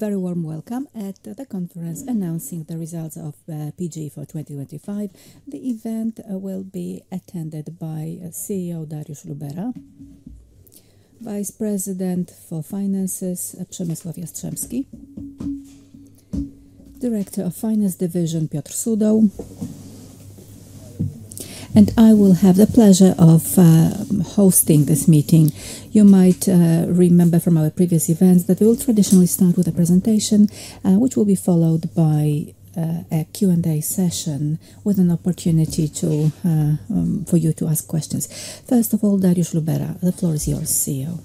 A very warm welcome at the conference announcing the results of PGE for 2025. The event will be attended by CEO Dariusz Lubera; Vice President for Finances, Przemysław Jastrzębski; Director of Finance Division, Piotr Sudoł, and I will have the pleasure of hosting this meeting. You might remember from our previous events that we will traditionally start with a presentation, which will be followed by a Q&A session with an opportunity for you to ask questions. First of all, Dariusz Lubera, the floor is yours, CEO.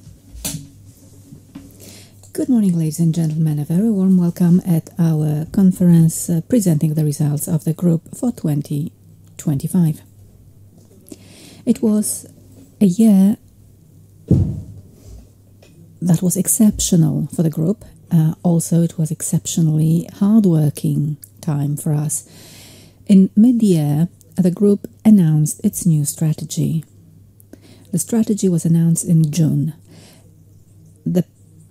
Good morning, ladies and gentlemen. A very warm welcome at our conference, presenting the results of the group for 2025. It was a year that was exceptional for the group. It was exceptionally hardworking time for us. In mid-year, the group announced its new strategy. The strategy was announced in June. The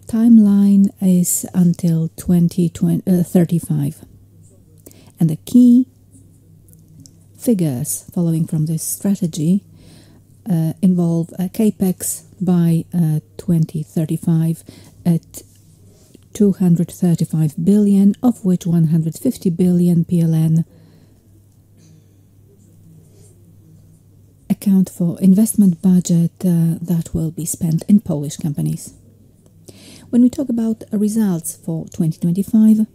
timeline is until 2035, and the key figures following from this strategy involve CapEx by 2035 at 235 billion, of which 150 billion PLN account for investment budget that will be spent in Polish companies. When we talk about results for 2025,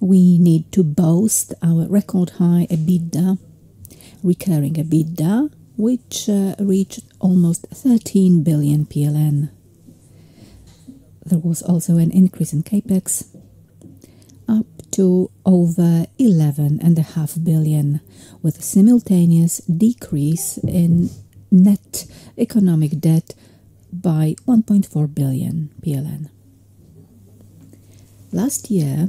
we need to post our record high EBITDA, recurring EBITDA, which reached almost 13 billion PLN. There was also an increase in CapEx up to over 11.5 billion, with simultaneous decrease in net economic debt by 1.4 billion PLN. Last year,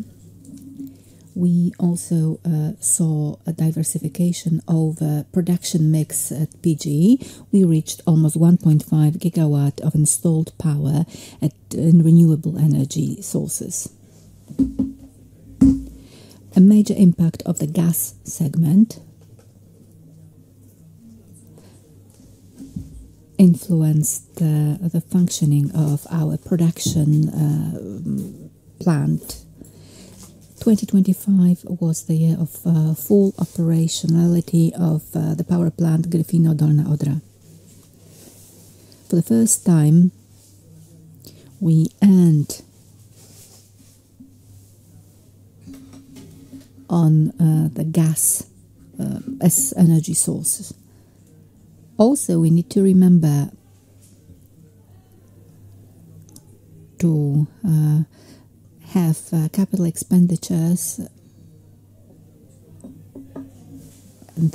we also saw a diversification of production mix at PGE. We reached almost 1.5 GW of installed power in renewable energy sources. A major impact of the gas segment influenced the functioning of our production plant. 2025 was the year of full operationality of the power plant, Gryfino Dolna Odra. For the first time, we earned on the gas as energy sources. We need to remember to have Capital expenditures.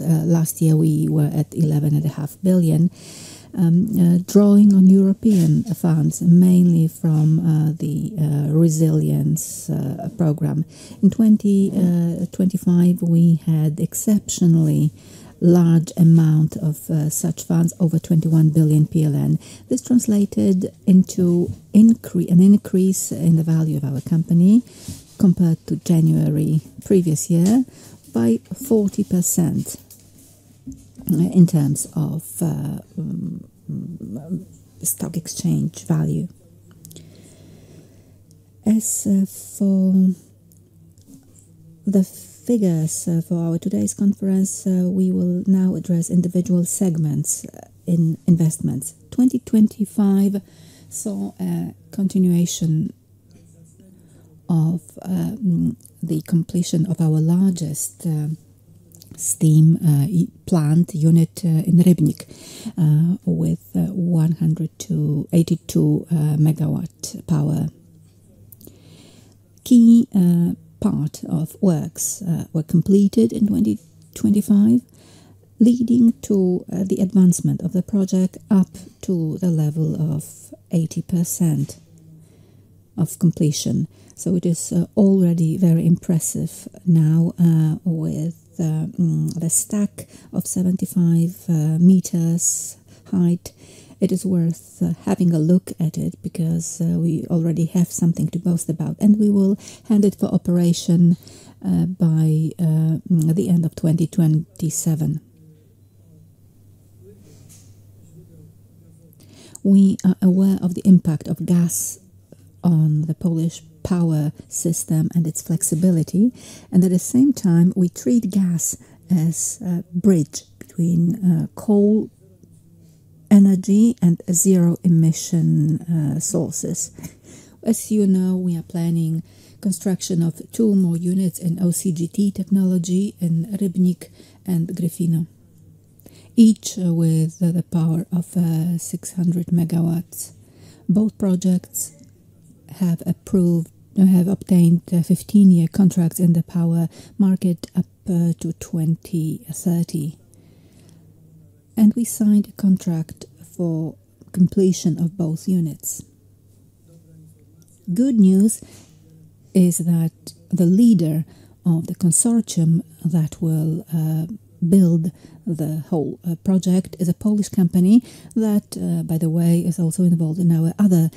Last year, we were at 11.5 billion, drawing on European funds, mainly from the resilience program. In 2025, we had exceptionally large amount of such funds, over 21 billion PLN. This translated into an increase in the value of our company compared to January previous year by 40% in terms of stock exchange value. As for the figures for our today's conference, we will now address individual segments in investments. 2025 saw a continuation of the completion of our largest steam plant unit in Rybnik, with 182 MW power. Key part of works were completed in 2025, leading to the advancement of the project up to the level of 80% of completion. It is already very impressive now, with the stack of 75 m height. It is worth having a look at it because we already have something to boast about, and we will hand it for operation by the end of 2027. We are aware of the impact of gas on the Polish power system and its flexibility, and at the same time, we treat gas as a bridge between coal energy and zero-emission sources. As you know, we are planning construction of two more units in OCGT technology in Rybnik and Gryfino, each with the power of 600 MW. Both projects have obtained 15-year contracts in the power market up to 2030, and we signed a contract for completion of both units. Good news is that the leader of the consortium that will build the whole project is a Polish company that, by the way, is also involved in our other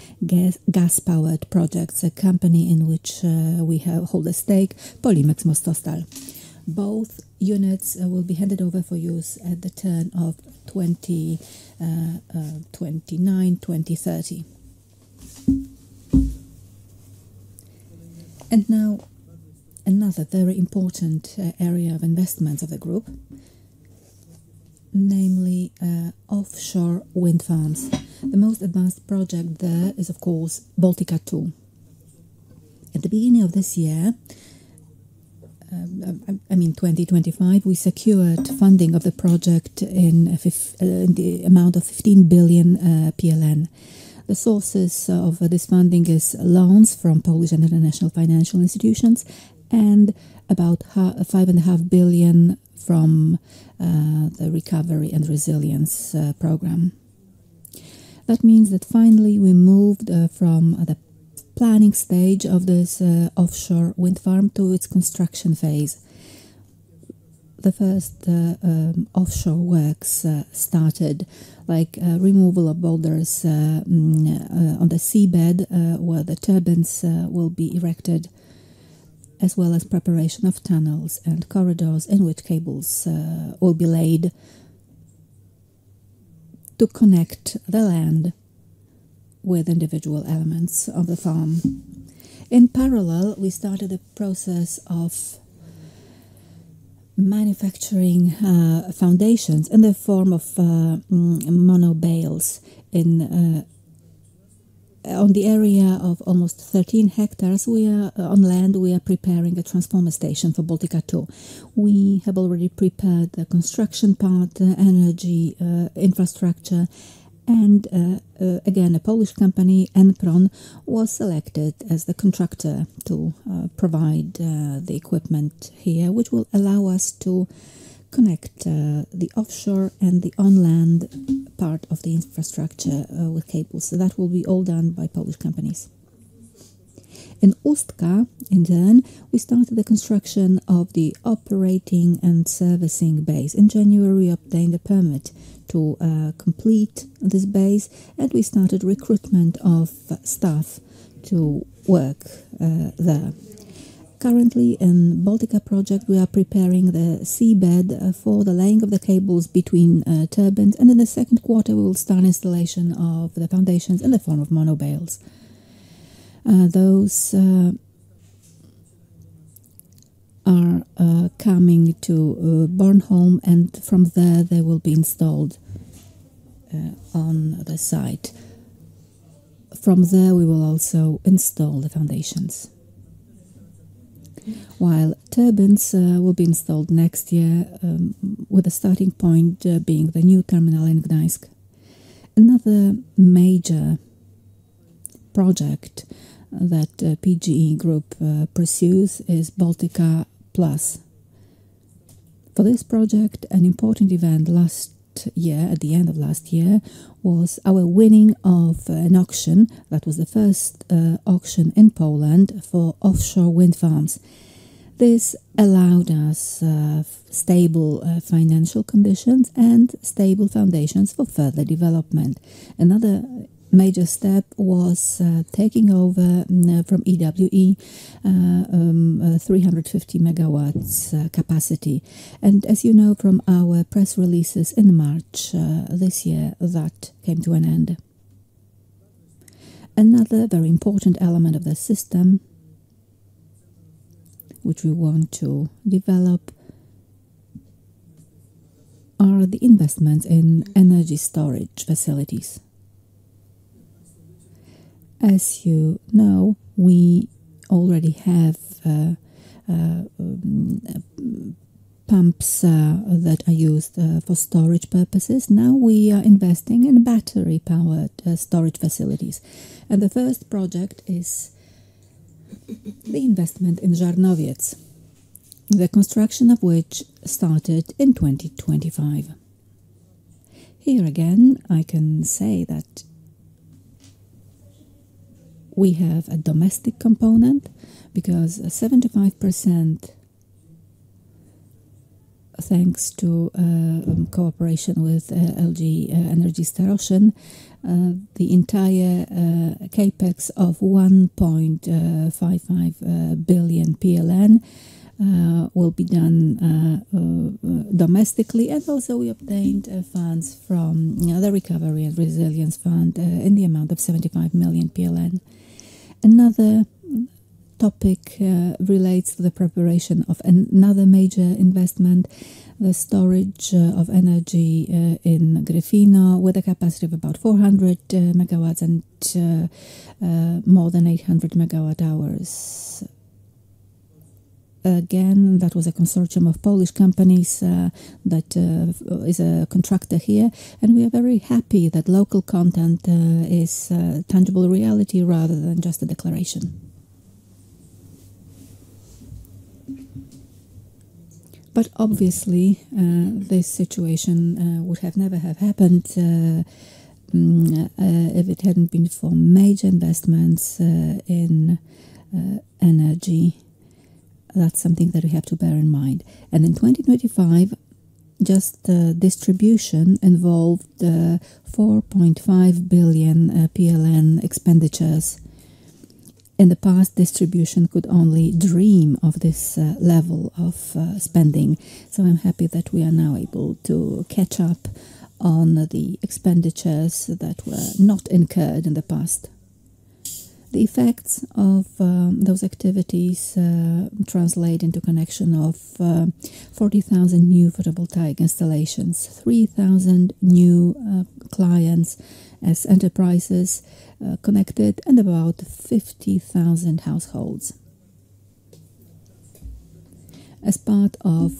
gas-powered projects, a company in which we hold a stake, Polimex Mostostal. Both units will be handed over for use at the turn of 2029, 2030. Now, another very important area of investments of the group, namely offshore wind farms. The most advanced project there is, of course, Baltica 2. At the beginning of this year, I mean 2025, we secured funding of the project in the amount of 15 billion PLN. The sources of this funding is loans from Polish and international financial institutions and about 5.5 billion from the Recovery and Resilience program. That means that finally we moved from the planning stage of this offshore wind farm to its construction phase. The first offshore works started, like removal of boulders on the seabed where the turbines will be erected, as well as preparation of tunnels and corridors in which cables will be laid to connect the land with individual elements of the farm. In parallel, we started the process of manufacturing foundations in the form of monopiles on the area of almost 13 hectares. On land, we are preparing a transformer station for Baltica 2. We have already prepared the construction part, the energy infrastructure, and again, a Polish company, Enprom, was selected as the contractor to provide the equipment here, which will allow us to connect the offshore and the on-land part of the infrastructure with cables. That will be all done by Polish companies. In Ustka, in turn, we started the construction of the operating and servicing base. In January, we obtained a permit to complete this base, and we started recruitment of staff to work there. Currently, in Baltica Project, we are preparing the seabed for the laying of the cables between turbines, and in the second quarter, we will start installation of the foundations in the form of monopiles. Those are coming to Bornholm, and from there, they will be installed on the site. From there, we will also install the foundations, while turbines will be installed next year, with the starting point being the new terminal in Gdańsk. Another major project that PGE Group pursues is Baltica 9+. For this project, an important event at the end of last year was our winning of an auction. That was the first auction in Poland for offshore wind farms. This allowed us stable financial conditions and stable foundations for further development. Another major step was taking over from EWE 350 MW capacity. As you know from our press releases in March this year, that came to an end. Another very important element of the system, which we want to develop, are the investments in energy storage facilities. As you know, we already have pumps that are used for storage purposes. Now we are investing in battery-powered storage facilities, and the first project is the investment in Żarnowiec, the construction of which started in 2025. Here again, I can say that we have a domestic component, because 75%, thanks to cooperation with LG Energy Solution, the entire CapEx of 1.55 billion PLN will be done domestically. Also, we obtained funds from the Recovery and Resilience Facility in the amount of 75 million PLN. Another topic relates to the preparation of another major investment, the storage of energy in Gryfino, with a capacity of about 400 MW and more than 800 MWh. That was a consortium of Polish companies that is a contractor here, and we are very happy that local content is a tangible reality rather than just a declaration. Obviously, this situation would never have happened if it hadn't been for major investments in energy. That's something that we have to bear in mind. In 2025, just the distribution involved 4.5 billion PLN expenditures. In the past, distribution could only dream of this level of spending, so I'm happy that we are now able to catch up on the expenditures that were not incurred in the past. The effects of those activities translate into connection of 40,000 new photovoltaic installations, 3,000 new clients as enterprises connected, and about 50,000 households. As part of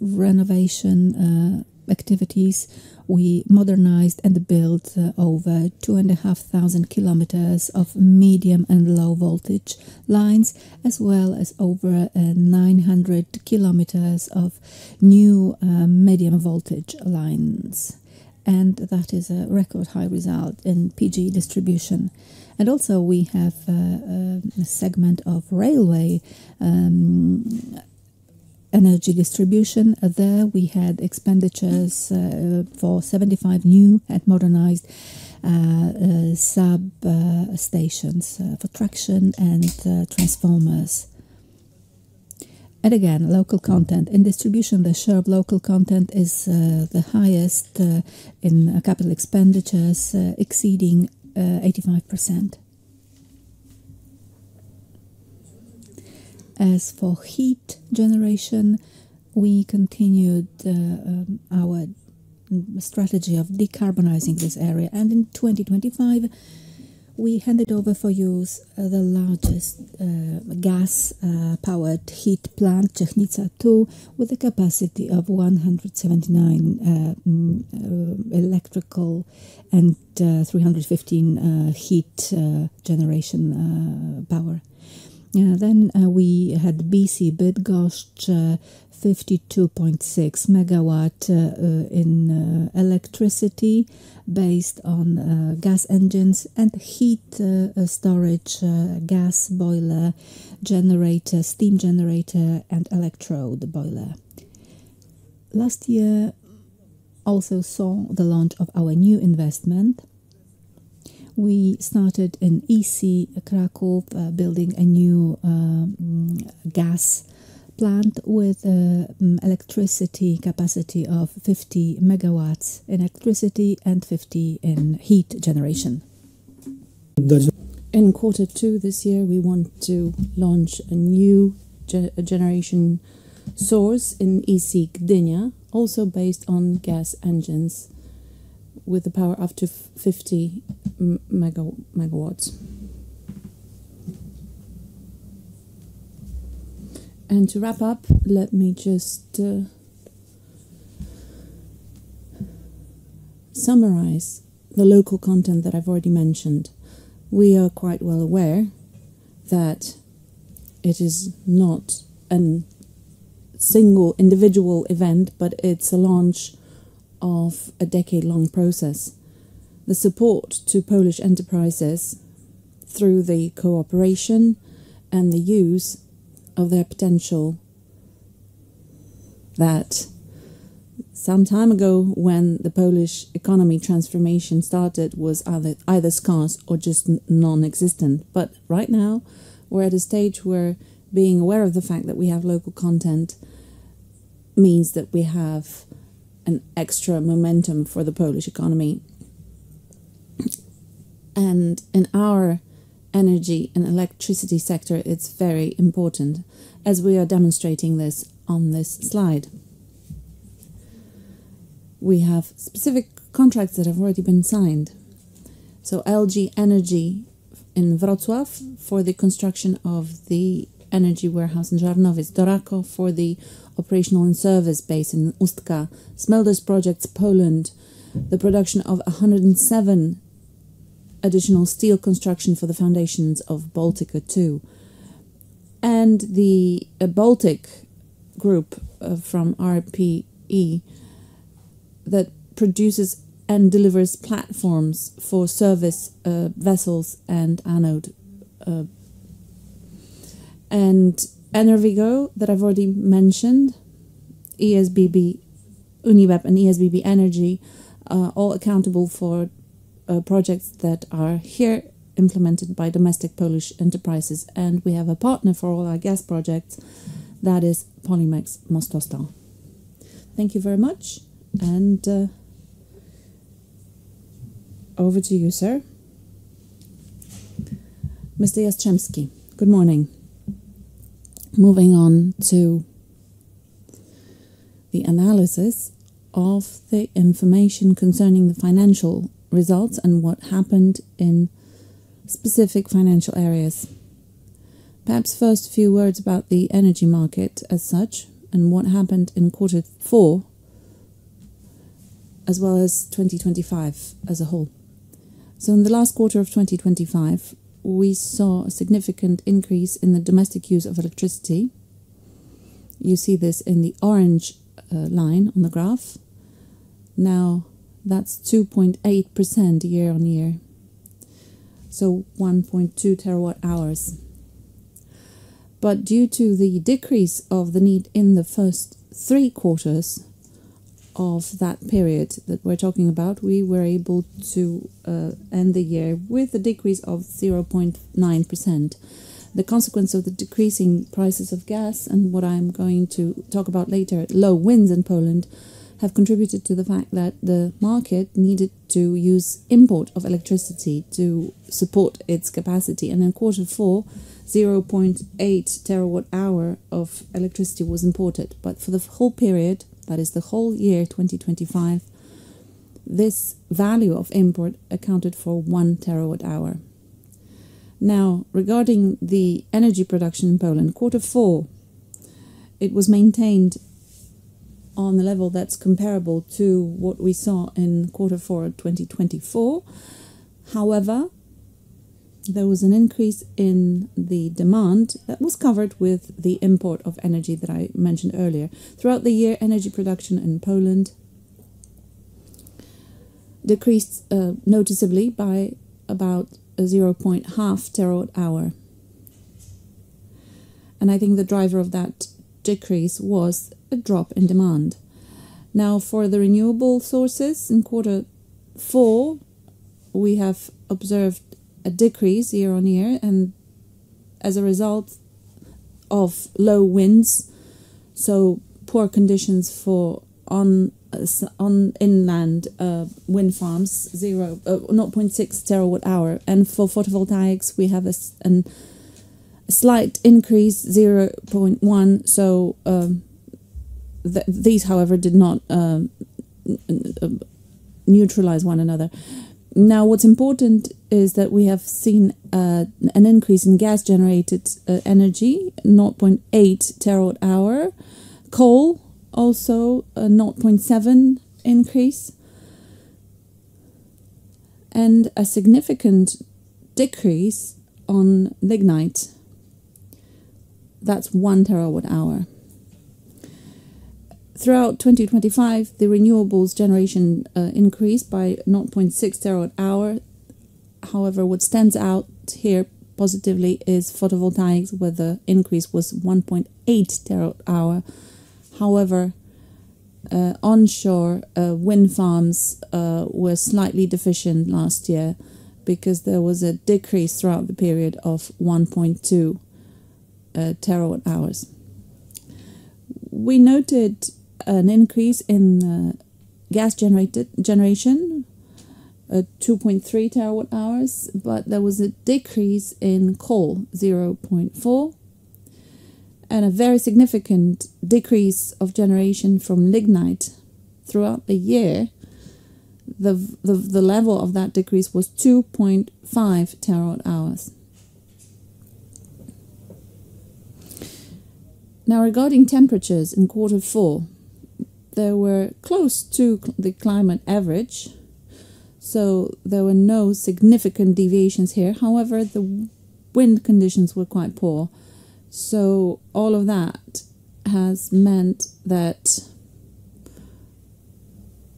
renovation activities, we modernized and built over 2,500 km of medium and low voltage lines, as well as over 900 km of new medium voltage lines, and that is a record-high result in PGE distribution. Also we have a segment of railway energy distribution. We had expenditures for 75 new and modernized substations for traction and transformers. Again, local content. In distribution, the share of local content is the highest in capital expenditures, exceeding 85%. As for heat generation, we continued our strategy of decarbonizing this area, and in 2025, we handed over for use the largest gas-powered heat plant, Czechnica II, with a capacity of 179 MW electrical and 315 MW heat generation power. We had EC Bydgoszcz, 52.6 MW in electricity based on gas engines and heat storage, gas boiler, generator, steam generator, and electrode boiler. Last year also saw the launch of our new investment. We started in EC Kraków, building a new gas plant with electricity capacity of 50 MW in electricity and 50 MW in heat generation. In quarter two this year, we want to launch a new generation source in EC Gdynia, also based on gas engines with the power up to 50 MW. To wrap up, let me just summarize the local content that I've already mentioned. We are quite well aware that it is not a single individual event, but it's a launch of a decade-long process. The support to Polish enterprises through the cooperation and the use of their potential, that some time ago when the Polish economy transformation started, was either scarce or just non-existent. Right now, we're at a stage where being aware of the fact that we have local content means that we have an extra momentum for the Polish economy. In our energy and electricity sector, it's very important, as we are demonstrating this on this slide. We have specific contracts that have already been signed. LG Energy in Wrocław for the construction of the energy warehouse in Żarnowiec. Doraco for the operational and service base in Ustka. Smulders Projects Poland, the production of 107 additional steel construction for the foundations of Baltica 2. The Baltic Group from RPE that produces and delivers platforms for service vessels and anode. Enprom, VIGO, that I've already mentioned, ESBE, Unibep, and ESBE Energy, all accountable for projects that are here implemented by domestic Polish enterprises. We have a partner for all our gas projects, that is Polimex Mostostal. Thank you very much. Over to you, sir. Mr. Jastrzębski, good morning. Moving on to the analysis of the information concerning the financial results and what happened in specific financial areas. Perhaps first few words about the energy market as such, and what happened in quarter four as well as 2025 as a whole. In the last quarter of 2025, we saw a significant increase in the domestic use of electricity. You see this in the orange line on the graph. Now, that's 2.8% year-on-year. 1.2 TWh. Due to the decrease of the need in the first three quarters of that period that we're talking about, we were able to end the year with a decrease of 0.9%. The consequence of the decreasing prices of gas and what I'm going to talk about later, low winds in Poland, have contributed to the fact that the market needed to use import of electricity to support its capacity. In quarter four, 0.8 TWh of electricity was imported. For the whole period, that is the whole year 2025, this value of import accounted for 1 TWh. Now, regarding the energy production in Poland, quarter four, it was maintained on the level that's comparable to what we saw in quarter four of 2024. However, there was an increase in the demand that was covered with the import of energy that I mentioned earlier. Throughout the year, energy production in Poland decreased noticeably by about 0.5 TWh. I think the driver of that decrease was a drop in demand. Now, for the renewable sources in quarter four, we have observed a decrease year-on-year and as a result of low winds, so poor conditions for inland wind farms, 0.6 TWh. For photovoltaics, we have a slight increase, 0.1 TWh, so these, however, did not neutralize one another. Now, what's important is that we have seen an increase in gas-generated energy, 0.8 TWh, coal, also a 0.7 TWh increase, and a significant decrease in lignite. That's 1 TWh. Throughout 2025, renewables generation increased by 0.6 TWh. However, what stands out here positively is photovoltaics, where the increase was 1.8 TWh. However, onshore wind farms were slightly deficient last year because there was a decrease throughout the period of 1.2 TWh. We noted an increase in gas generation, 2.3 TWh, but there was a decrease in coal, 0.4 TWh, and a very significant decrease of generation from lignite throughout the year. The level of that decrease was 2.5 TWh. Now, regarding temperatures in quarter four, they were close to the climate average, so there were no significant deviations here. However, the wind conditions were quite poor. All of that has meant that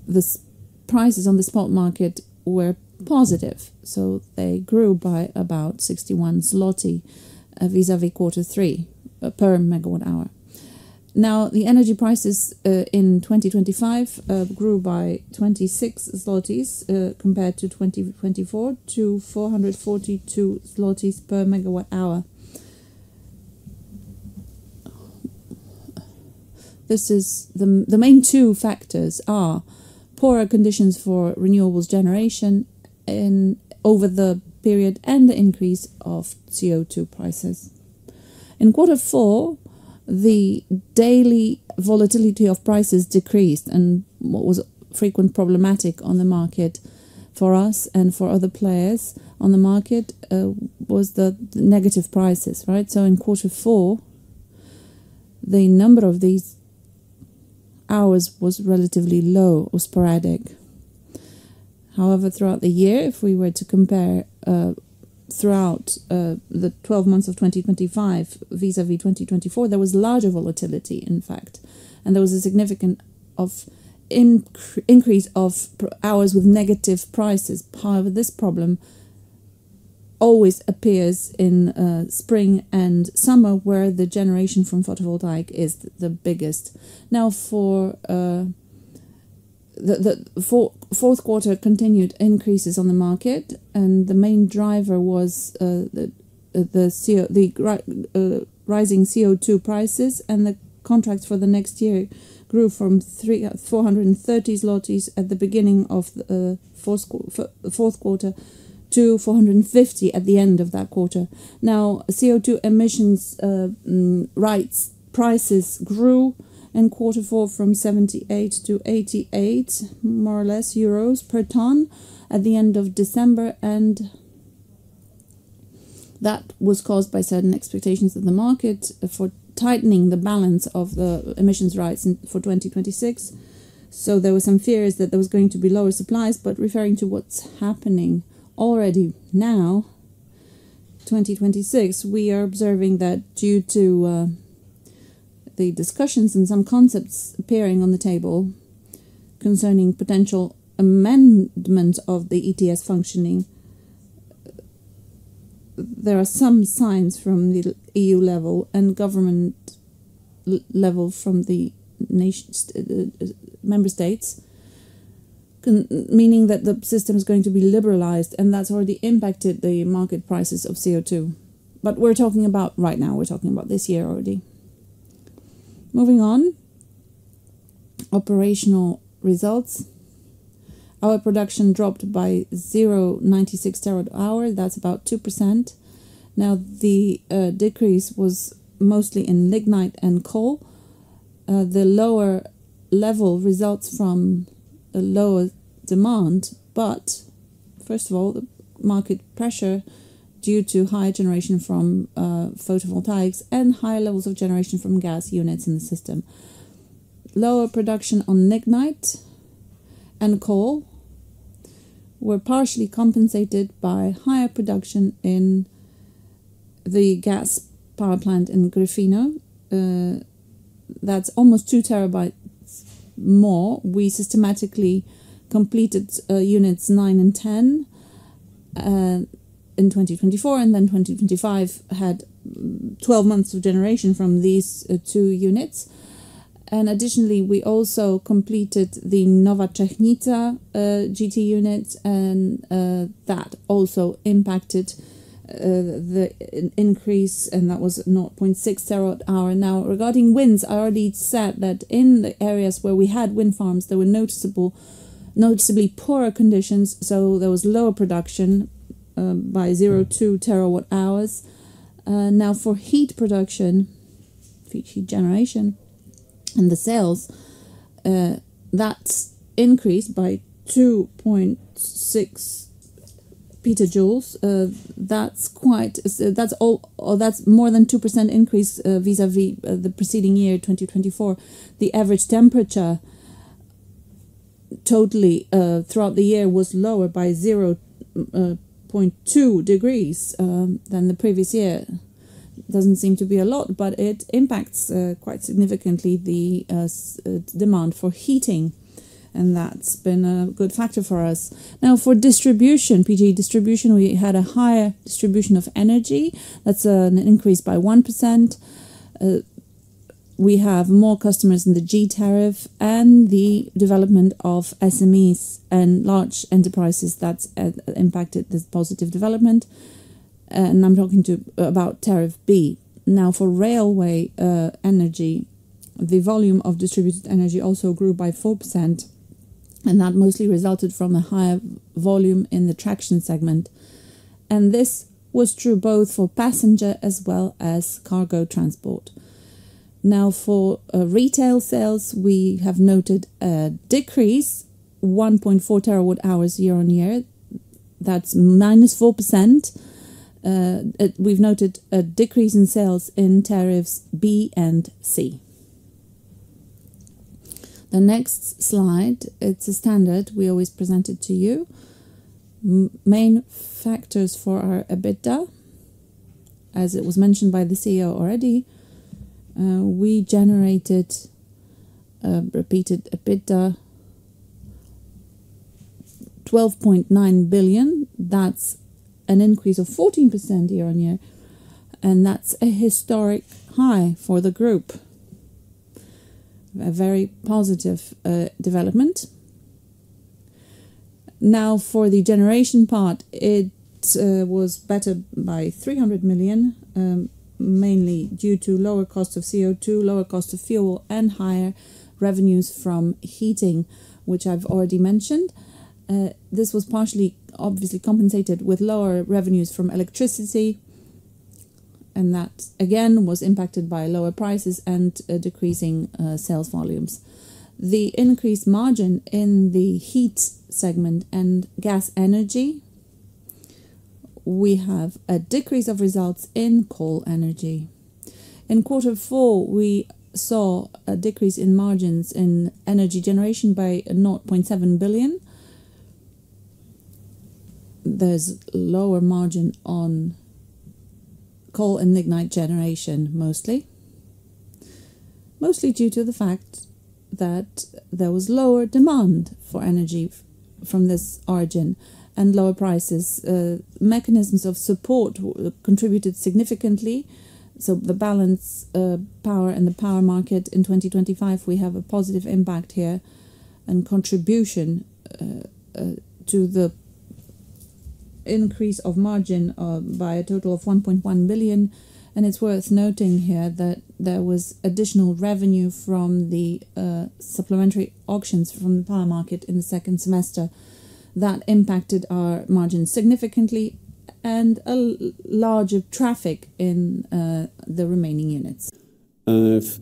the prices on the spot market were positive, so they grew by about 61 zloty vis-à-vis quarter three, per MWh. Now, the energy prices in 2025 grew by 26 zlotys, compared to 2024, to 442 zlotys per MWh. The main two factors are poorer conditions for renewables generation over the period and the increase of CO2 prices. In quarter four, the daily volatility of prices decreased and what was frequent problematic on the market for us and for other players on the market, was the negative prices. In quarter four, the number of these hours was relatively low or sporadic. However, throughout the year, if we were to compare throughout the 12 months of 2025 vis-à-vis 2024, there was larger volatility, in fact, and there was a significant increase of hours with negative prices. However, this problem always appears in spring and summer, where the generation from photovoltaic is the biggest. Now, for the fourth quarter, continued increases on the market and the main driver was the rising CO2 prices, and the contracts for the next year grew from 430 zlotys at the beginning of the fourth quarter to 450 at the end of that quarter. Now, CO2 emissions rights prices grew in quarter four from 78-88, more or less, per ton at the end of December, and that was caused by certain expectations of the market for tightening the balance of the emissions rights for 2026. There were some fears that there was going to be lower supplies, but referring to what's happening already now, 2026, we are observing that due to the discussions and some concepts appearing on the table concerning potential amendment of the ETS functioning, there are some signs from the EU level and government level from the member states, meaning that the system is going to be liberalized, and that's already impacted the market prices of CO2. We're talking about right now, we're talking about this year already. Moving on. Operational results. Our production dropped by 0.96 TWh. That's about 2%. Now, the decrease was mostly in lignite and coal. The lower level results from a lower demand. First of all, the market pressure due to high generation from photovoltaics and high levels of generation from gas units in the system. Lower production on lignite and coal were partially compensated by higher production in the gas power plant in Gryfino. That's almost 2 TWh more. We systematically completed units nine and 10 in 2024, and then 2025 had 12 months of generation from these two units. Additionally, we also completed the Nowa Czechnica GT unit, and that also impacted the increase, and that was 0.6 TWh. Now, regarding winds, I already said that in the areas where we had wind farms, there were noticeably poorer conditions, so there was lower production by 0.2 TWh. Now, for heat production, heat generation and the sales, that's increased by 2.6 petajoules. That's more than 2% increase vis-à-vis the preceding year, 2024. The average temperature totally throughout the year was lower by 0.2 degrees than the previous year. Doesn't seem to be a lot, but it impacts quite significantly the demand for heating, and that's been a good factor for us. Now, for distribution, PGE Dystrybucja, we had a higher distribution of energy. That's an increase by 1%. We have more customers in the G tariff and the development of SMEs and large enterprises that's impacted this positive development. I'm talking about tariff B. Now, for railway energy, the volume of distributed energy also grew by 4%, and that mostly resulted from a higher volume in the traction segment. This was true both for passenger as well as cargo transport. Now, for retail sales, we have noted a decrease, 1.4 TWh year-on-year. That's -4%. We've noted a decrease in sales in tariffs B and C. The next slide, it's a standard. We always present it to you. Main factors for our EBITDA, as it was mentioned by the CEO already. We generated recurring EBITDA 12.9 billion. That's an increase of 14% year-on-year, and that's a historic high for the group. A very positive development. Now, for the generation part, it was better by 300 million, mainly due to lower cost of CO2, lower cost of fuel, and higher revenues from heating, which I've already mentioned. This was partially, obviously, compensated with lower revenues from electricity, and that again was impacted by lower prices and decreasing sales volumes. The increased margin in the heat segment and gas energy. We have a decrease of results in coal energy. In quarter four, we saw a decrease in margins in energy generation by 0.7 billion. There's lower margin on coal and lignite generation mostly. Mostly due to the fact that there was lower demand for energy from this origin and lower prices. Mechanisms of support contributed significantly. The balance power in the power market in 2025, we have a positive impact here and contribution to the increase of margin by a total of 1.1 billion. It's worth noting here that there was additional revenue from the supplementary auctions from the power market in the second semester that impacted our margins significantly and a larger traffic in the remaining units. If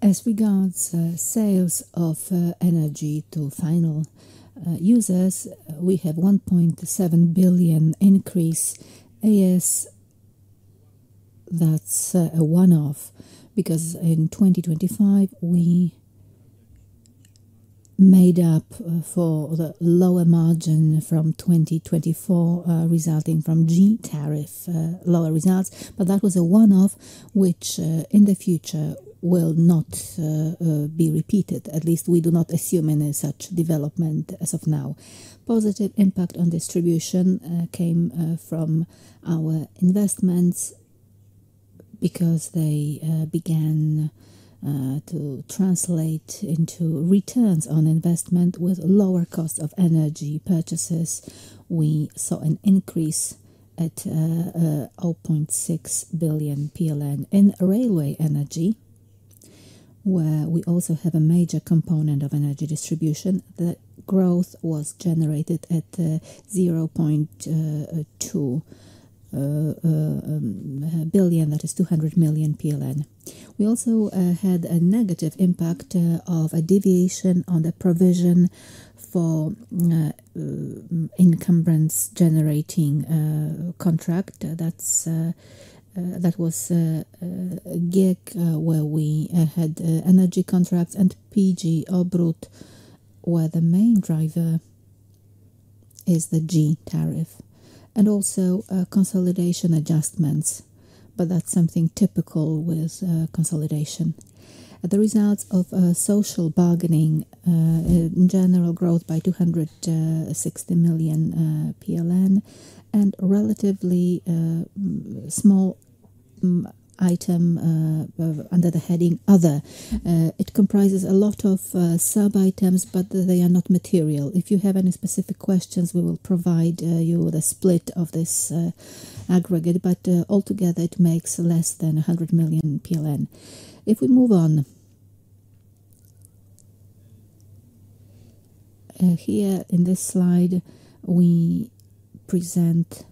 As regards sales of energy to final users, we have 1.7 billion increase as that's a one-off, because in 2025, we made up for the lower margin from 2024, resulting from G tariff, lower results. That was a one-off, which in the future will not be repeated. At least we do not assume any such development as of now. Positive impact on distribution came from our investments because they began to translate into returns on investment with lower cost of energy purchases. We saw an increase at 0.6 billion PLN in railway energy, where we also have a major component of energy distribution. The growth was generated at 0.2 billion, that is 200 million PLN. We also had a negative impact of a deviation on the provision for onerous contracts. That was GiEK, where we had energy contracts and PGE Obrót, where the main driver is the G tariff. Also consolidation adjustments, but that's something typical with consolidation. The results of social bargaining, in general growth by 260 million PLN and relatively small item under the heading Other. It comprises a lot of sub-items, but they are not material. If you have any specific questions, we will provide you the split of this aggregate, but altogether it makes less than 100 million PLN. If we move on. Here in this slide, we present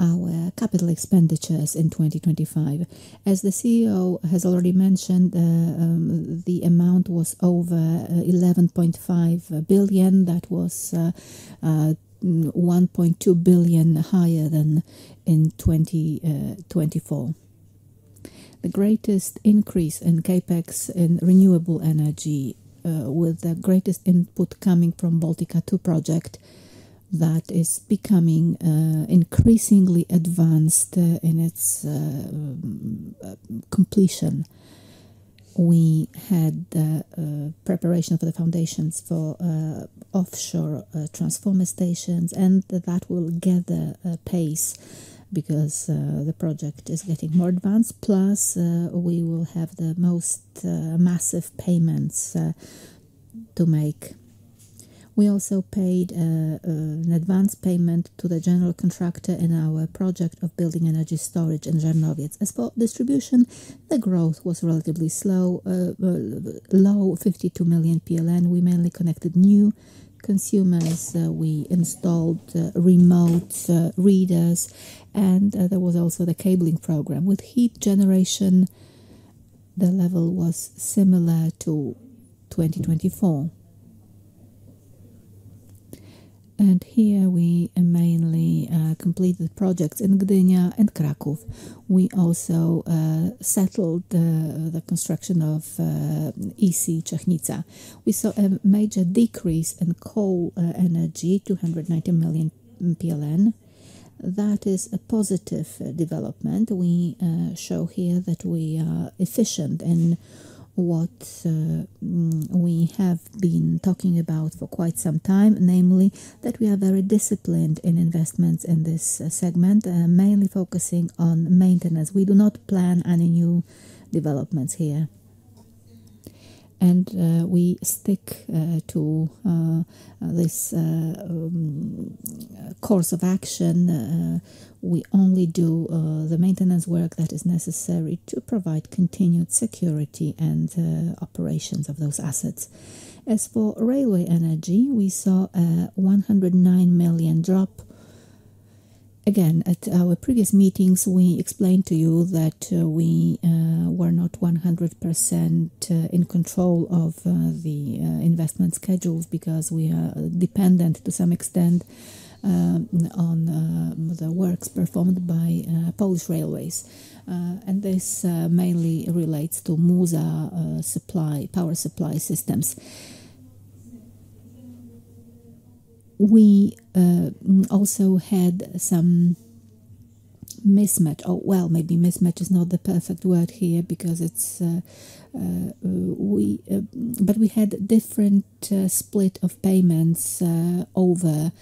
our capital expenditures in 2025. As the CEO has already mentioned, the amount was over 11.5 billion. That was 1.2 billion higher than in 2024. The greatest increase in CapEx in renewable energy, with the greatest input coming from Baltica 2 project that is becoming increasingly advanced in its completion. We had the preparation for the foundations for offshore transformer stations, and that will gather pace because the project is getting more advanced. Plus, we will have the most massive payments to make. We also paid an advance payment to the general contractor in our project of building energy storage in Żarnowiec. As for distribution, the growth was relatively slow, low, 52 million PLN. We mainly connected new consumers. We installed remote readers, and there was also the cabling program. With heat generation, the level was similar to 2024. Here we mainly completed projects in Gdynia and Kraków. We also settled the construction ofEC Czechnica. We saw a major decrease in coal energy, 290 million PLN. That is a positive development. We show here that we are efficient in what we have been talking about for quite some time, namely, that we are very disciplined in investments in this segment, mainly focusing on maintenance. We do not plan any new developments here. We stick to this course of action. We only do the maintenance work that is necessary to provide continued security and operations of those assets. As for railway energy, we saw a 109 million drop. Again, at our previous meetings, we explained to you that we were not 100% in control of the investment schedules because we are dependent to some extent on the works performed by Polish Railways. This mainly relates to MUZA power supply systems. We also had some mismatch. Well, maybe mismatch is not the perfect word here, but we had different split of payments over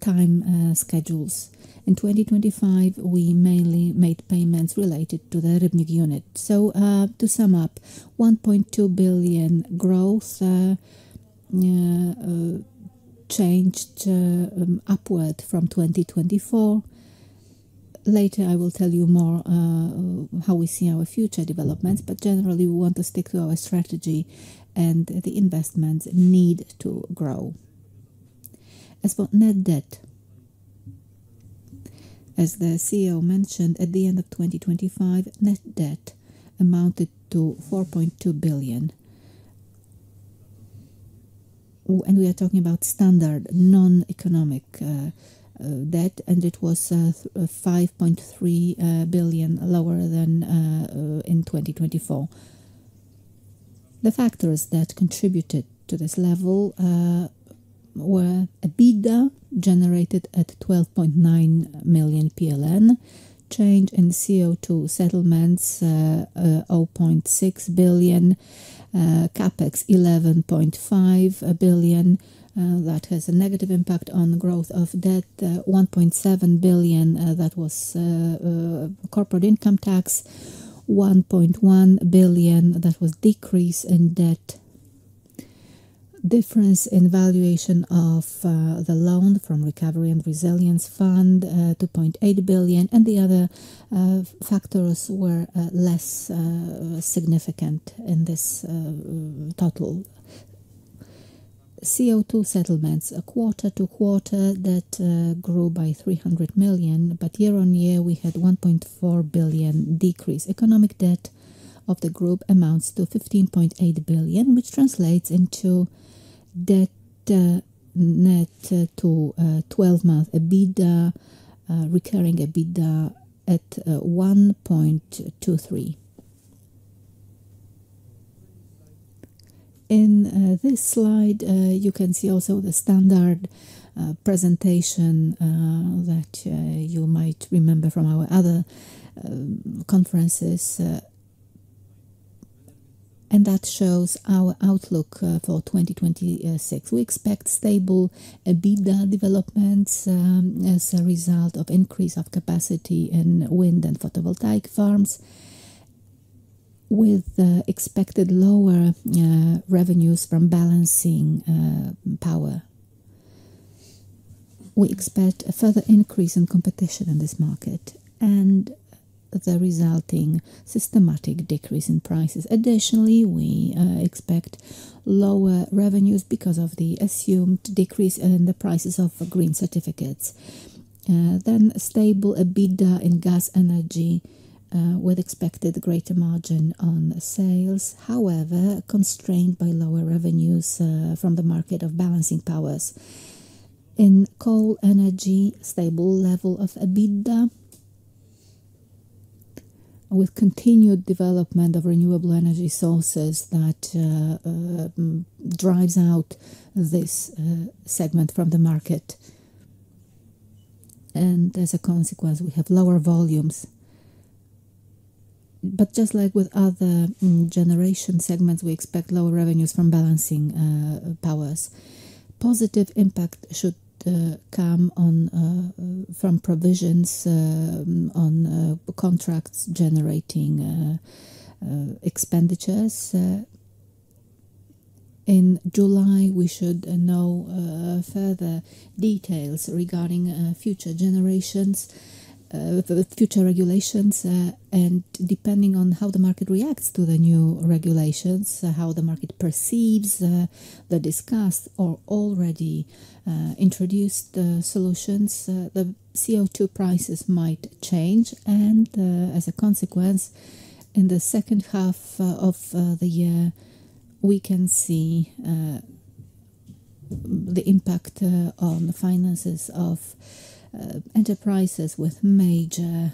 time schedules. In 2025, we mainly made payments related to the Rybnik unit. To sum up, 1.2 billion growth, changed upward from 2024. Later, I will tell you more how we see our future developments, but generally, we want to stick to our strategy and the investments need to grow. As for net debt. As the CEO mentioned, at the end of 2025, net debt amounted to 4.2 billion. We are talking about standard, non-economic debt, and it was 5.3 billion lower than in 2024. The factors that contributed to this level were EBITDA generated at 12.9 million PLN, change in CO2 settlements, 0.6 billion, CapEx 11.5 billion. That has a negative impact on growth of debt, 1.7 billion, that was corporate income tax, 1.1 billion, that was decrease in debt. Difference in valuation of the loan from Recovery and Resilience Facility, 2.8 billion, and the other factors were less significant in this total. CO2 settlements are quarter-to-quarter, that grew by 300 million, but year-on-year, we had 1.4 billion decrease. Economic debt of the group amounts to 15.8 billion, which translates into debt net to 12-month EBITDA, recurring EBITDA at 1.23. In this slide, you can see also the standard presentation that you might remember from our other conferences, and that shows our outlook for 2026. We expect stable EBITDA developments as a result of increase of capacity in wind and photovoltaic farms, with expected lower revenues from balancing power. We expect a further increase in competition in this market and the resulting systematic decrease in prices. Additionally, we expect lower revenues because of the assumed decrease in the prices of the green certificates. Stable EBITDA in gas energy, with expected greater margin on sales, however, constrained by lower revenues from the market of balancing powers. In coal energy, stable level of EBITDA, with continued development of renewable energy sources that drives out this segment from the market. As a consequence, we have lower volumes. Just like with other generation segments, we expect lower revenues from balancing powers. Positive impact should come from provisions on contracts generating expenditures. In July, we should know further details regarding future generations, future regulations, and depending on how the market reacts to the new regulations, how the market perceives the discussed or already introduced solutions, the CO2 prices might change, and, as a consequence, in the second half of the year, we can see the impact on the finances of enterprises with major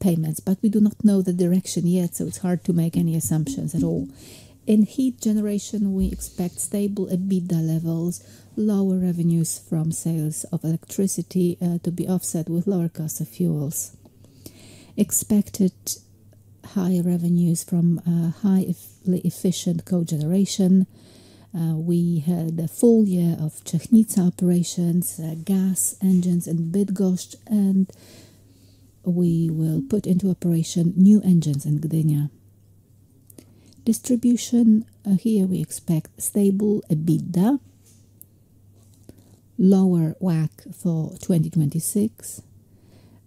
payments. We do not know the direction yet, so it's hard to make any assumptions at all. In heat generation, we expect stable EBITDA levels, lower revenues from sales of electricity to be offset with lower cost of fuels. Expected high revenues from highly efficient cogeneration. We had a full year of Czechnica operations, gas engines in Bydgoszcz, and we will put into operation new engines in Gdynia. Distribution, here we expect stable EBITDA, lower WACC for 2026,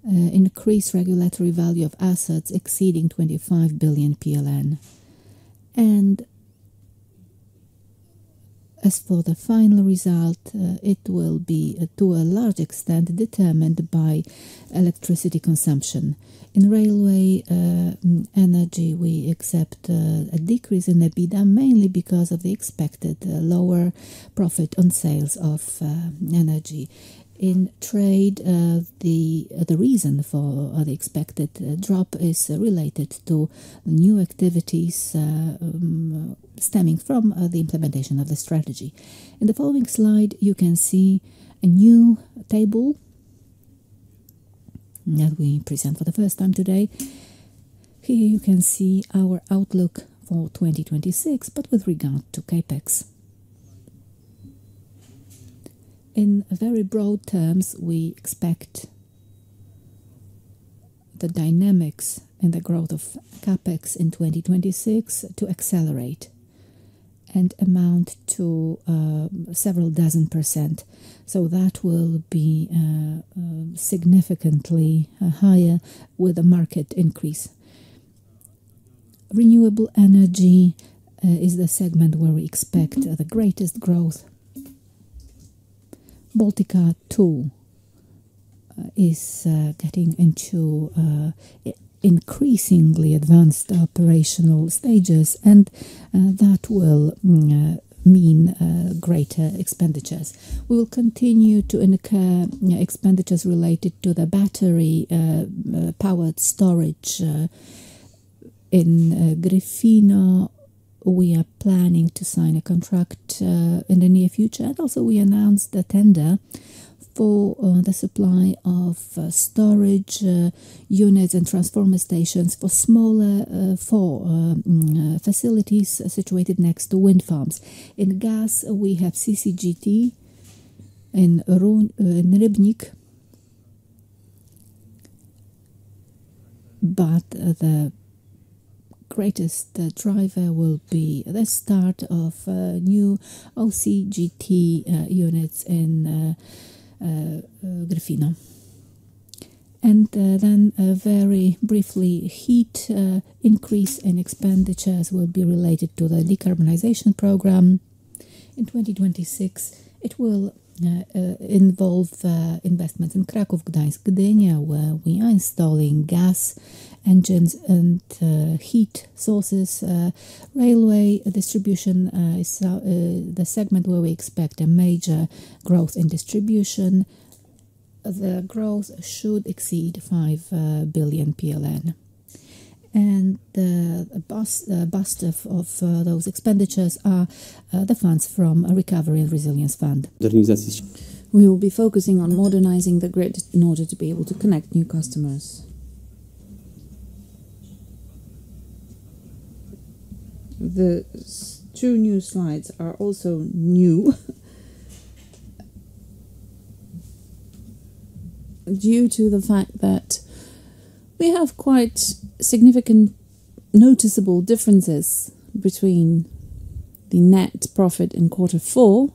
increased regulatory value of assets exceeding 25 billion PLN. As for the final result, it will be, to a large extent, determined by electricity consumption. In railway energy, we accept a decrease in EBITDA mainly because of the expected lower profit on sales of energy. In trade, the reason for the expected drop is related to new activities stemming from the implementation of the strategy. In the following slide, you can see a new table that we present for the first time today. Here you can see our outlook for 2026, but with regard to CapEx. In very broad terms, we expect the dynamics in the growth of CapEx in 2026 to accelerate and amount to several dozen %. That will be significantly higher with the market increase. Renewable energy is the segment where we expect the greatest growth. Baltica 2 is getting into increasingly advanced operational stages, and that will mean greater expenditures. We will continue to incur expenditures related to the battery-powered storage in Gryfino. We are planning to sign a contract in the near future. We announced the tender for the supply of storage units and transformer stations for smaller power facilities situated next to wind farms. In gas, we have CCGT in Rybnik. The greatest driver will be the start of new OCGT units in Gryfino. Very briefly, heat increase and expenditures will be related to the decarbonization program. In 2026, it will involve investments in Kraków, Gdańsk, Gdynia, where we are installing gas engines and heat sources. Railway distribution is the segment where we expect a major growth in distribution. The growth should exceed 5 billion PLN, and the bulk of those expenditures are the funds from a Recovery and Resilience Fund. We will be focusing on modernizing the grid in order to be able to connect new customers. The two new slides are also new, due to the fact that we have quite significant noticeable differences between the net profit in quarter four,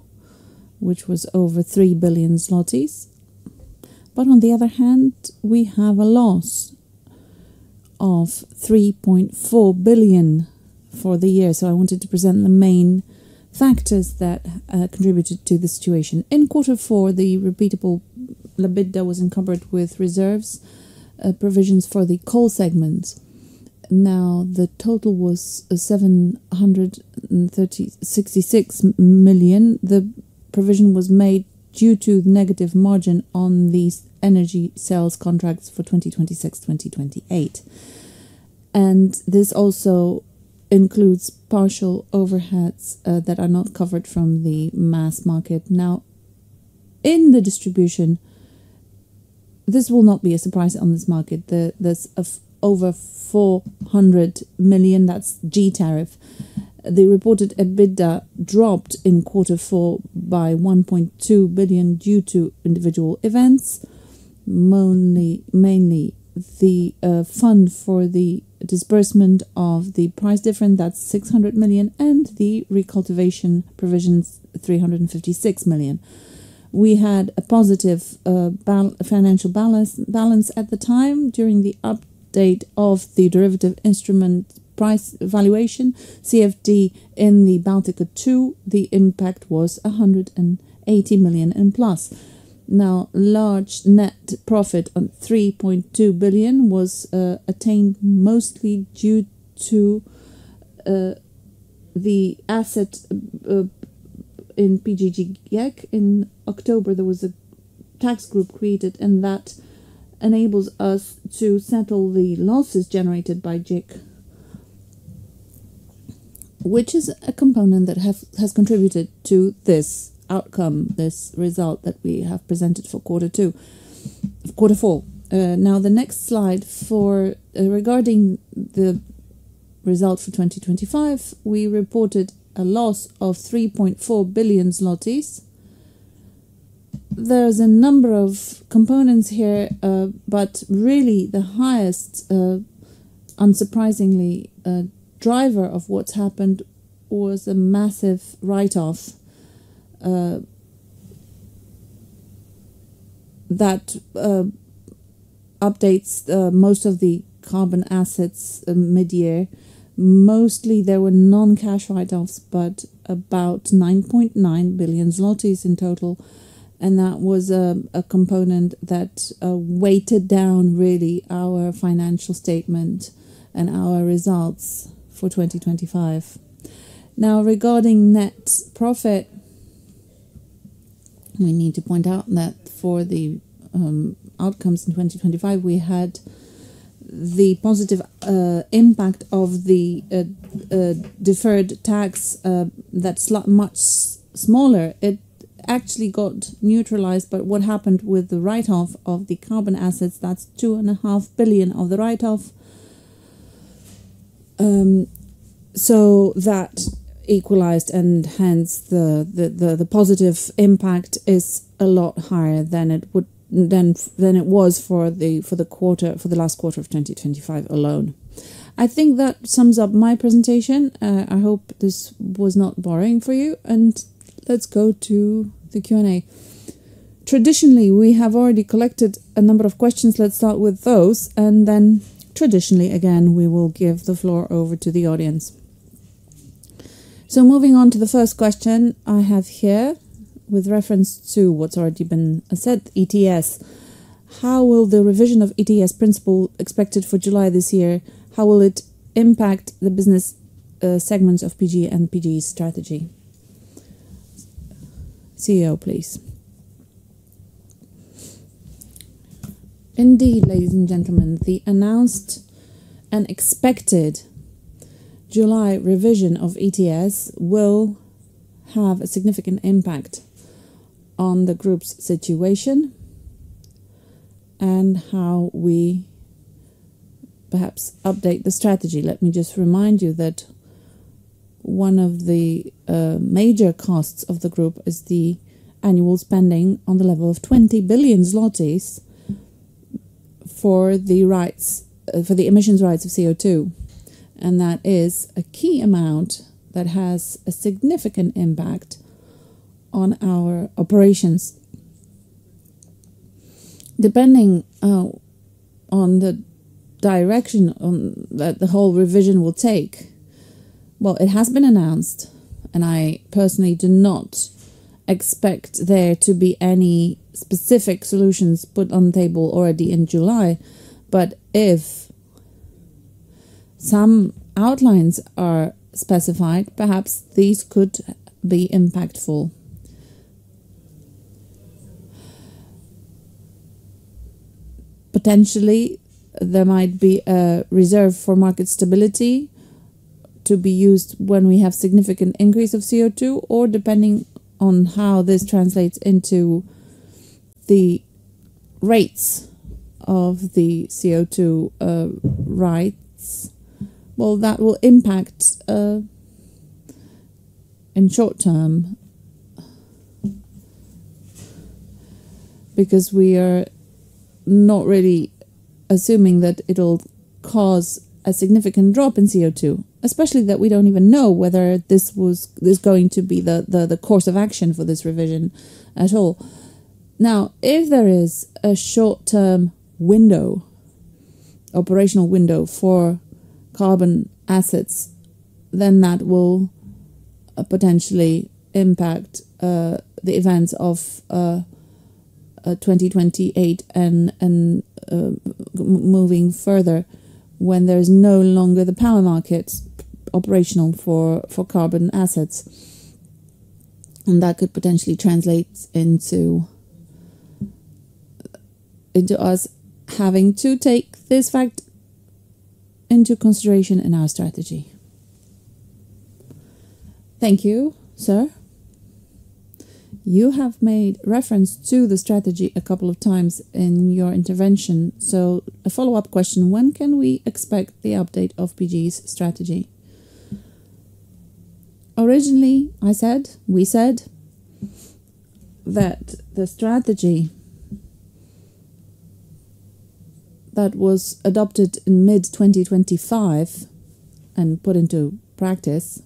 which was over 3 billion zlotys. On the other hand, we have a loss of 3.4 billion for the year. I wanted to present the main factors that contributed to the situation. In quarter four, the repeatable EBITDA was encumbered with reserves, provisions for the coal segment. Now, the total was 766 million. The provision was made due to the negative margin on these energy sales contracts for 2026, 2028. And this also includes partial overheads that are not covered from the mass market. Now, in the distribution, this will not be a surprise on this market. There's over 400 million, that's G tariff. The reported EBITDA dropped in quarter four by 1.2 billion due to individual events, mainly the fund for the disbursement of the price difference, that's 600 million, and the recultivation provisions, 356 million. We had a positive financial balance at the time during the update of the derivative instrument price valuation, CFD in the Baltica 2, the impact was 180 million and plus. Now, large net profit of 3.2 billion was attained mostly due to the asset in PGE GiEK. In October, there was a tax group created, and that enables us to settle the losses generated by GiEK, which is a component that has contributed to this outcome, this result that we have presented for quarter four. Now, the next slide regarding the results for 2025, we reported a loss of 3.4 billion zlotys. There's a number of components here, but really the highest, unsurprisingly, driver of what's happened was a massive write-off that updates most of the carbon assets mid-year. Mostly, there were non-cash write-offs, but about 9.9 billion zlotys in total, and that was a component that weighed down really our financial statement and our results for 2025. Now, regarding net profit, we need to point out that for the outcomes in 2025, we had the positive impact of the deferred tax that's much smaller. It actually got neutralized by what happened with the write-off of the carbon assets. That's 2.5 billion of the write-off. So that equalized and hence the positive impact is a lot higher than it was for the last quarter of 2025 alone. I think that sums up my presentation. I hope this was not boring for you, and let's go to the Q&A. Traditionally, we have already collected a number of questions. Let's start with those, and then traditionally again, we will give the floor over to the audience. Moving on to the first question I have here with reference to what's already been said, ETS. How will the revision of ETS principle, expected for July this year, how will it impact the business segments of PGE and PGE's strategy? CEO, please. Indeed, ladies and gentlemen, the announced and expected July revision of ETS will have a significant impact on the group's situation, and how we perhaps update the strategy. Let me just remind you that one of the major costs of the group is the annual spending on the level of 20 billion zlotys for the emissions rights of CO2, and that is a key amount that has a significant impact on our operations. Depending on the direction that the whole revision will take, while it has been announced, and I personally do not expect there to be any specific solutions put on the table already in July, but if some outlines are specified, perhaps these could be impactful. Potentially, there might be a reserve for market stability to be used when we have significant increase of CO2, or depending on how this translates into the rates of the CO2 rights. Well, that will impact in short term, because we are not really assuming that it'll cause a significant drop in CO2, especially that we don't even know whether this was going to be the course of action for this revision at all. Now, if there is a short-term operational window for carbon assets, then that will potentially impact the events of 2028, and moving further when there's no longer the power market operational for carbon assets. That could potentially translate into us having to take this fact into consideration in our strategy. Thank you, sir. You have made reference to the strategy a couple of times in your intervention, so a follow-up question. When can we expect the update of PGE's strategy? Originally, we said that the strategy that was adopted in mid-2025 and put into practice,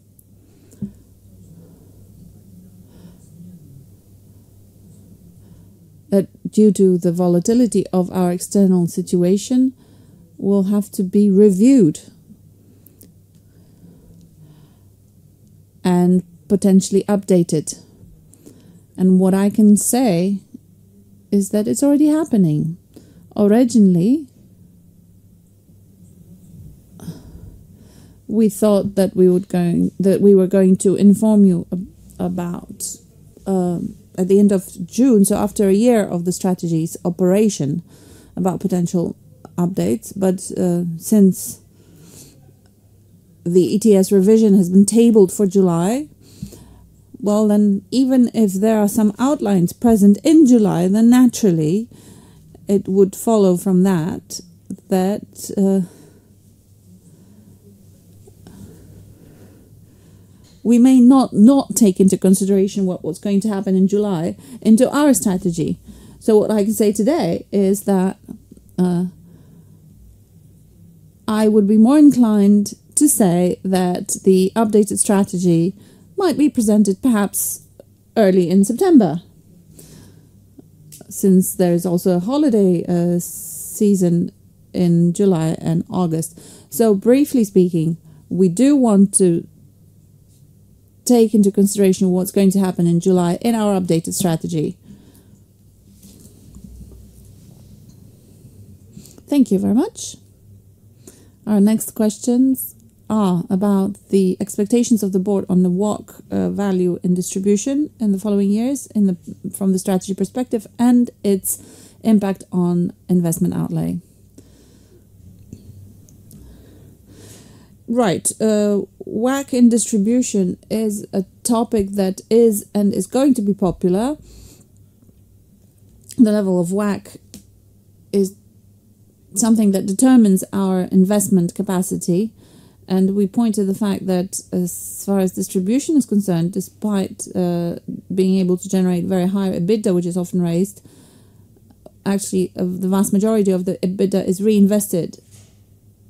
that due to the volatility of our external situation, will have to be reviewed and potentially updated. What I can say is that it's already happening. Originally, we thought that we were going to inform you about at the end of June, so after a year of the strategy's operation, about potential updates. Since the ETS revision has been tabled for July, well then, even if there are some outlines present in July, then naturally it would follow from that we may not take into consideration what was going to happen in July into our strategy. What I can say today is that, I would be more inclined to say that the updated strategy might be presented perhaps early in September, since there is also a holiday season in July and August. Briefly speaking, we do want to take into consideration what's going to happen in July in our updated strategy. Thank you very much. Our next questions are about the expectations of the board on the WACC value and distribution in the following years from the strategy perspective and its impact on investment outlay. Right. WACC in distribution is a topic that is, and is going to be popular. The level of WACC is something that determines our investment capacity, and we point to the fact that as far as distribution is concerned, despite being able to generate very high EBITDA, which is often raised, actually, the vast majority of the EBITDA is reinvested.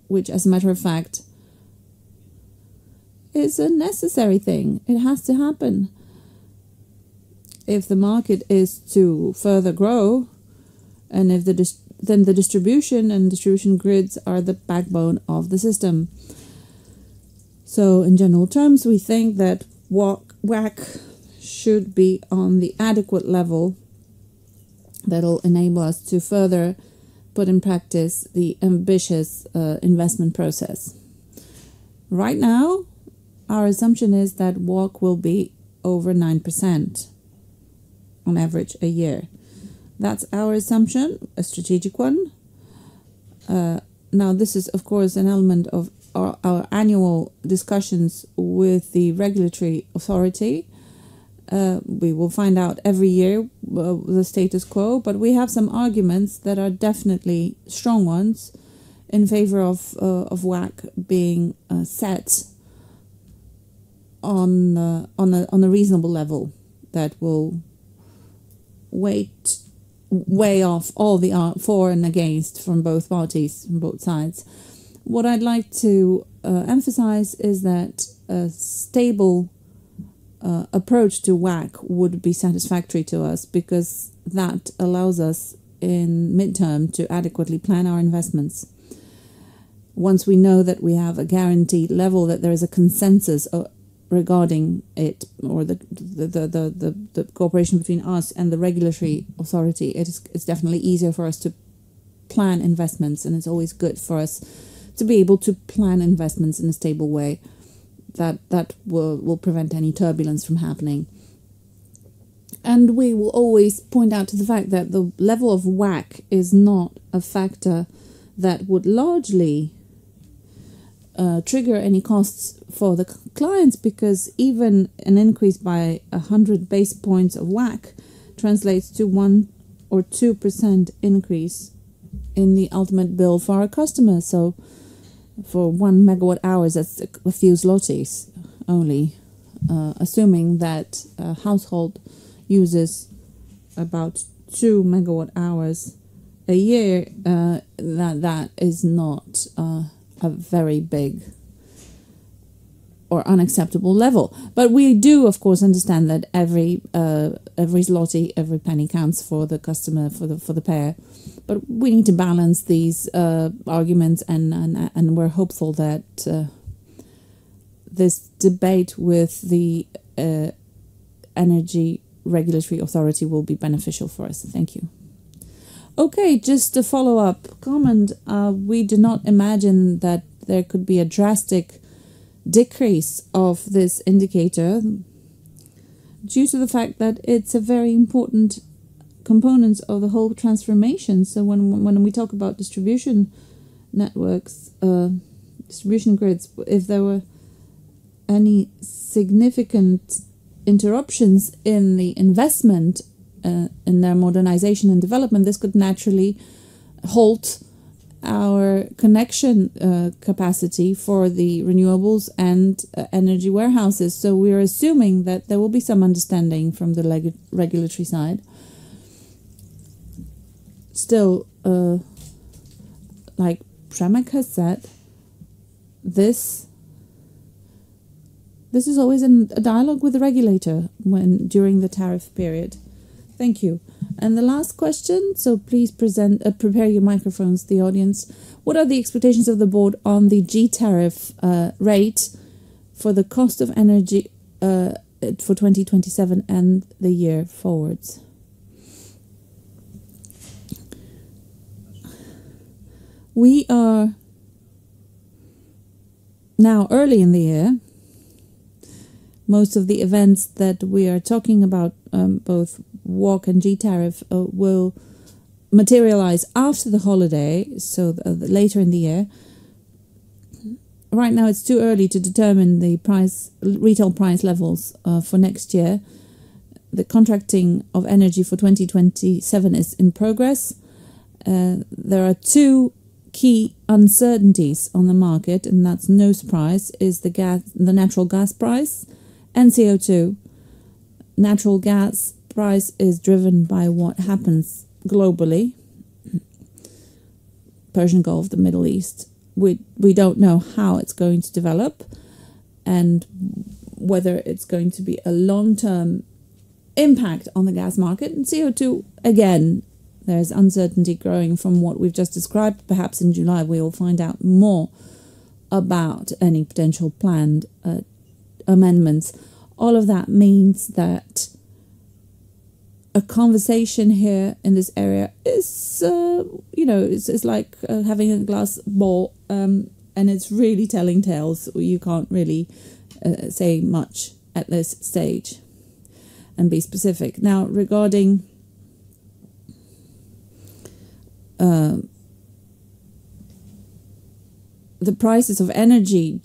Which, as a matter of fact, it's a necessary thing. It has to happen if the market is to further grow, and if then the distribution grids are the backbone of the system. In general terms, we think that WACC should be on the adequate level that'll enable us to further put in practice the ambitious investment process. Right now, our assumption is that WACC will be over 9% on average a year. That's our assumption, a strategic one. Now, this is, of course, an element of our annual discussions with the regulatory authority. We will find out every year the status quo, but we have some arguments that are definitely strong ones in favor of WACC being set on a reasonable level that will weigh off all for and against from both parties, from both sides. What I'd like to emphasize is that a stable approach to WACC would be satisfactory to us, because that allows us, in midterm, to adequately plan our investments. Once we know that we have a guaranteed level, that there is a consensus regarding it, or the cooperation between us and the regulatory authority, it's definitely easier for us to plan investments, and it's always good for us to be able to plan investments in a stable way that will prevent any turbulence from happening. We will always point out to the fact that the level of WACC is not a factor that would largely trigger any costs for the clients, because even an increase by 100 base points of WACC translates to 1% or 2% increase in the ultimate bill for our customers. For 1 MWh, that's a few PLN only. Assuming that a household uses about 2 MWh a year, that is not a very big or unacceptable level. We do, of course, understand that every PLN, every penny counts for the customer, for the payer. We need to balance these arguments, and we're hopeful that this debate with the energy regulatory authority will be beneficial for us. Thank you. Okay. Just a follow-up comment. We do not imagine that there could be a drastic decrease of this indicator due to the fact that it's a very important component of the whole transformation. When we talk about distribution networks, distribution grids, if there were any significant interruptions in the investment, in their modernization and development, this could naturally halt our connection capacity for the renewables and energy warehouses. We're assuming that there will be some understanding from the regulatory side. Still, like Przemysław has said, this is always a dialogue with the regulator during the tariff period. Thank you. The last question, so please prepare your microphones, the audience. What are the expectations of the board on the G tariff rate for the cost of energy for 2027 and the year forwards? We are now early in the year. Most of the events that we are talking about, both WACC and G tariff, will materialize after the holiday, so later in the year. Right now, it's too early to determine the retail price levels for next year. The contracting of energy for 2027 is in progress. There are two key uncertainties on the market, and that's no surprise, the natural gas price and CO2. Natural gas price is driven by what happens globally, Persian Gulf, the Middle East. We don't know how it's going to develop and whether it's going to be a long-term impact on the gas market. CO2, again, there is uncertainty growing from what we've just described. Perhaps in July, we will find out more about any potential planned amendments. All of that means that a conversation here in this area is like having a crystal ball, and it's really telling tales. You can't really say much at this stage and be specific. Now, regarding the prices of energy,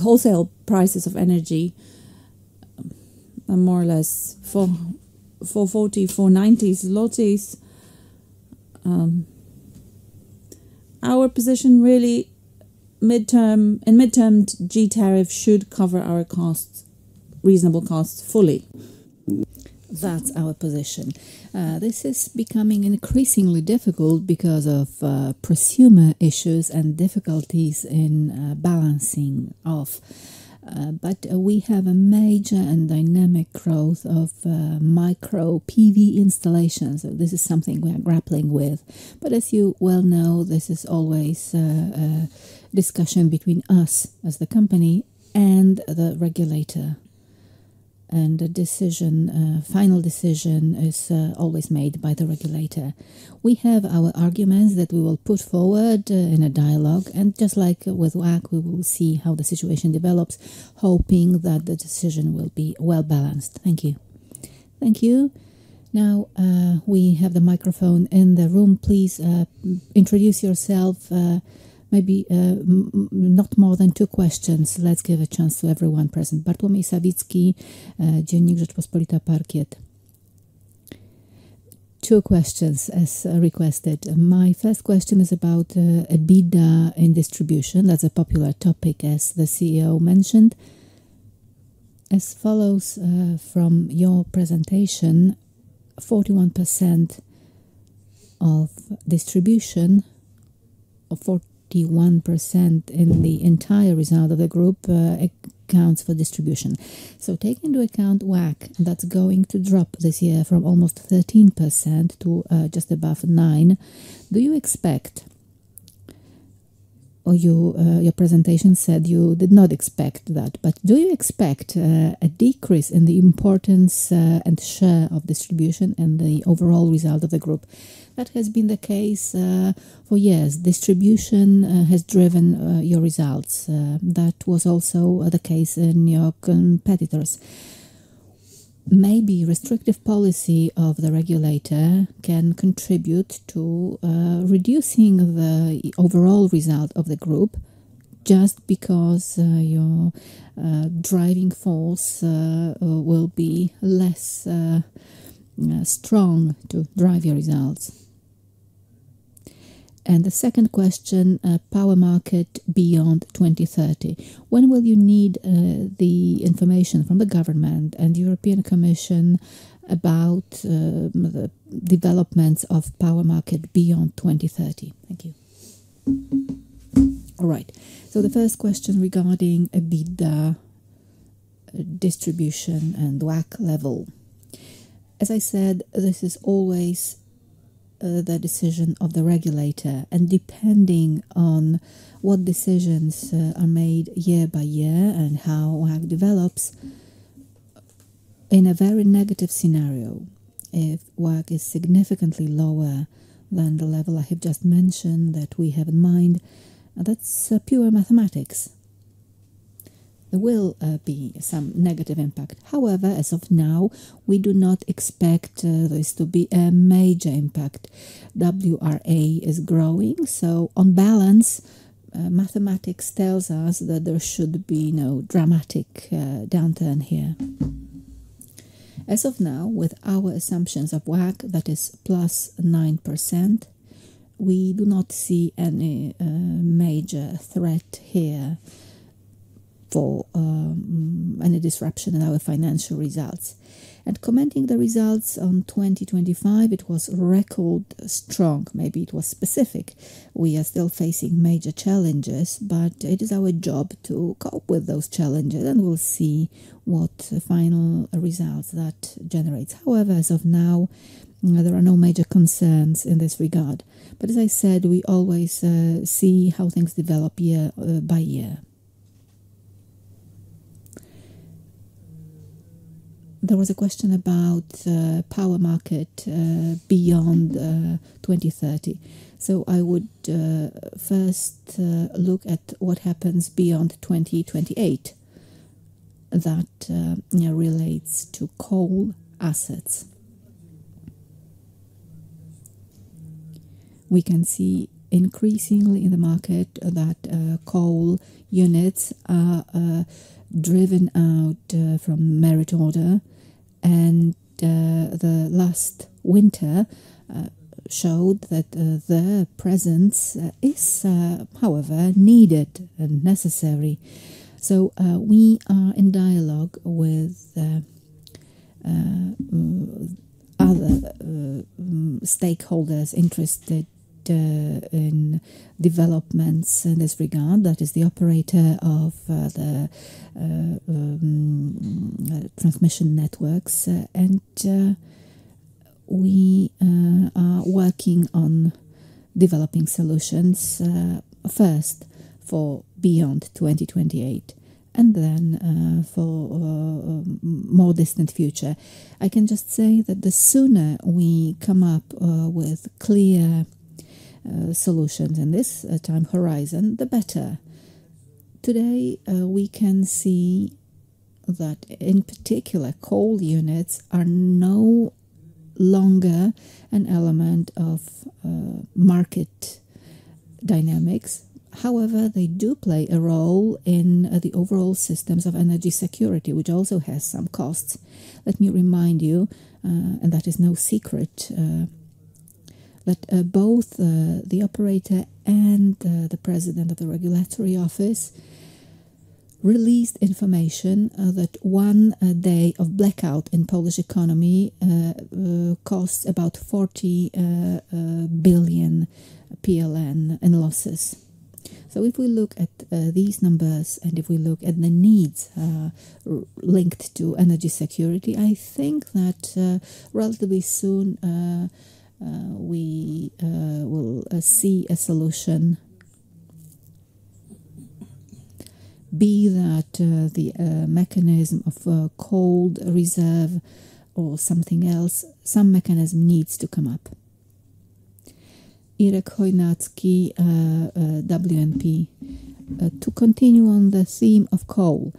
wholesale prices of energy are more or less 440-490 zlotys. Our position really, in midterm, G tariff should cover our costs. reasonable costs fully. That's our position. This is becoming increasingly difficult because of prosumer issues and difficulties in balancing off. We have a major and dynamic growth of micro PV installations. This is something we are grappling with. As you well know, this is always a discussion between us as the company and the regulator, and the final decision is always made by the regulator. We have our arguments that we will put forward in a dialogue, and just like with WACC, we will see how the situation develops, hoping that the decision will be well-balanced. Thank you. Thank you. Now, we have the microphone in the room. Please introduce yourself. Maybe not more than two questions. Let's give a chance to everyone present. Bartłomiej Sawicki, Dziennik Rzeczpospolita, Parkiet. Two questions as requested. My first question is about EBITDA in distribution. That's a popular topic, as the CEO mentioned. As follows from your presentation, 41% of distribution, or 41% in the entire result of the group accounts for distribution. Take into account WACC, that's going to drop this year from almost 13% to just above 9%. Your presentation said you did not expect that, but do you expect a decrease in the importance and share of distribution in the overall result of the group? That has been the case for years. Distribution has driven your results. That was also the case in your competitors. Maybe restrictive policy of the regulator can contribute to reducing the overall result of the group just because your driving force will be less strong to drive your results. The second question, power market beyond 2030. When will you need the information from the government and European Commission about the developments of power market beyond 2030? Thank you. All right. The first question regarding EBITDA, distribution, and WACC level. As I said, this is always the decision of the regulator, and depending on what decisions are made year-by-year and how WACC develops, in a very negative scenario, if WACC is significantly lower than the level I have just mentioned that we have in mind, that's pure mathematics. There will be some negative impact. However, as of now, we do not expect this to be a major impact. WRA is growing, so on balance, mathematics tells us that there should be no dramatic downturn here. As of now, with our assumptions of WACC, that is +9%, we do not see any major threat here for any disruption in our financial results. Commenting the results on 2025, it was record strong. Maybe it was specific. We are still facing major challenges, but it is our job to cope with those challenges, and we will see what final results that generates. However, as of now, there are no major concerns in this regard. As I said, we always see how things develop year-by-year. There was a question about power market beyond 2030. I would first look at what happens beyond 2028 that relates to coal assets. We can see increasingly in the market that coal units are driven out from merit order, and the last winter showed that their presence is, however, needed and necessary. We are in dialogue with other stakeholders interested in developments in this regard. That is the operator of the transmission networks, and we are working on developing solutions, first for beyond 2028 and then for more distant future. I can just say that the sooner we come up with clear solutions in this time horizon, the better. Today, we can see that in particular, coal units are no longer an element of market dynamics. However, they do play a role in the overall systems of energy security, which also has some costs. Let me remind you, and that is no secret. That both the operator and the president of the regulatory office released information that one day of blackout in Polish economy costs about PLN 40 billion in losses. If we look at these numbers, and if we look at the needs linked to energy security, I think that relatively soon we will see a solution. Be that the mechanism of a cold reserve or something else, some mechanism needs to come up. Irek Chojnacki, WNP.pl. To continue on the theme of coal,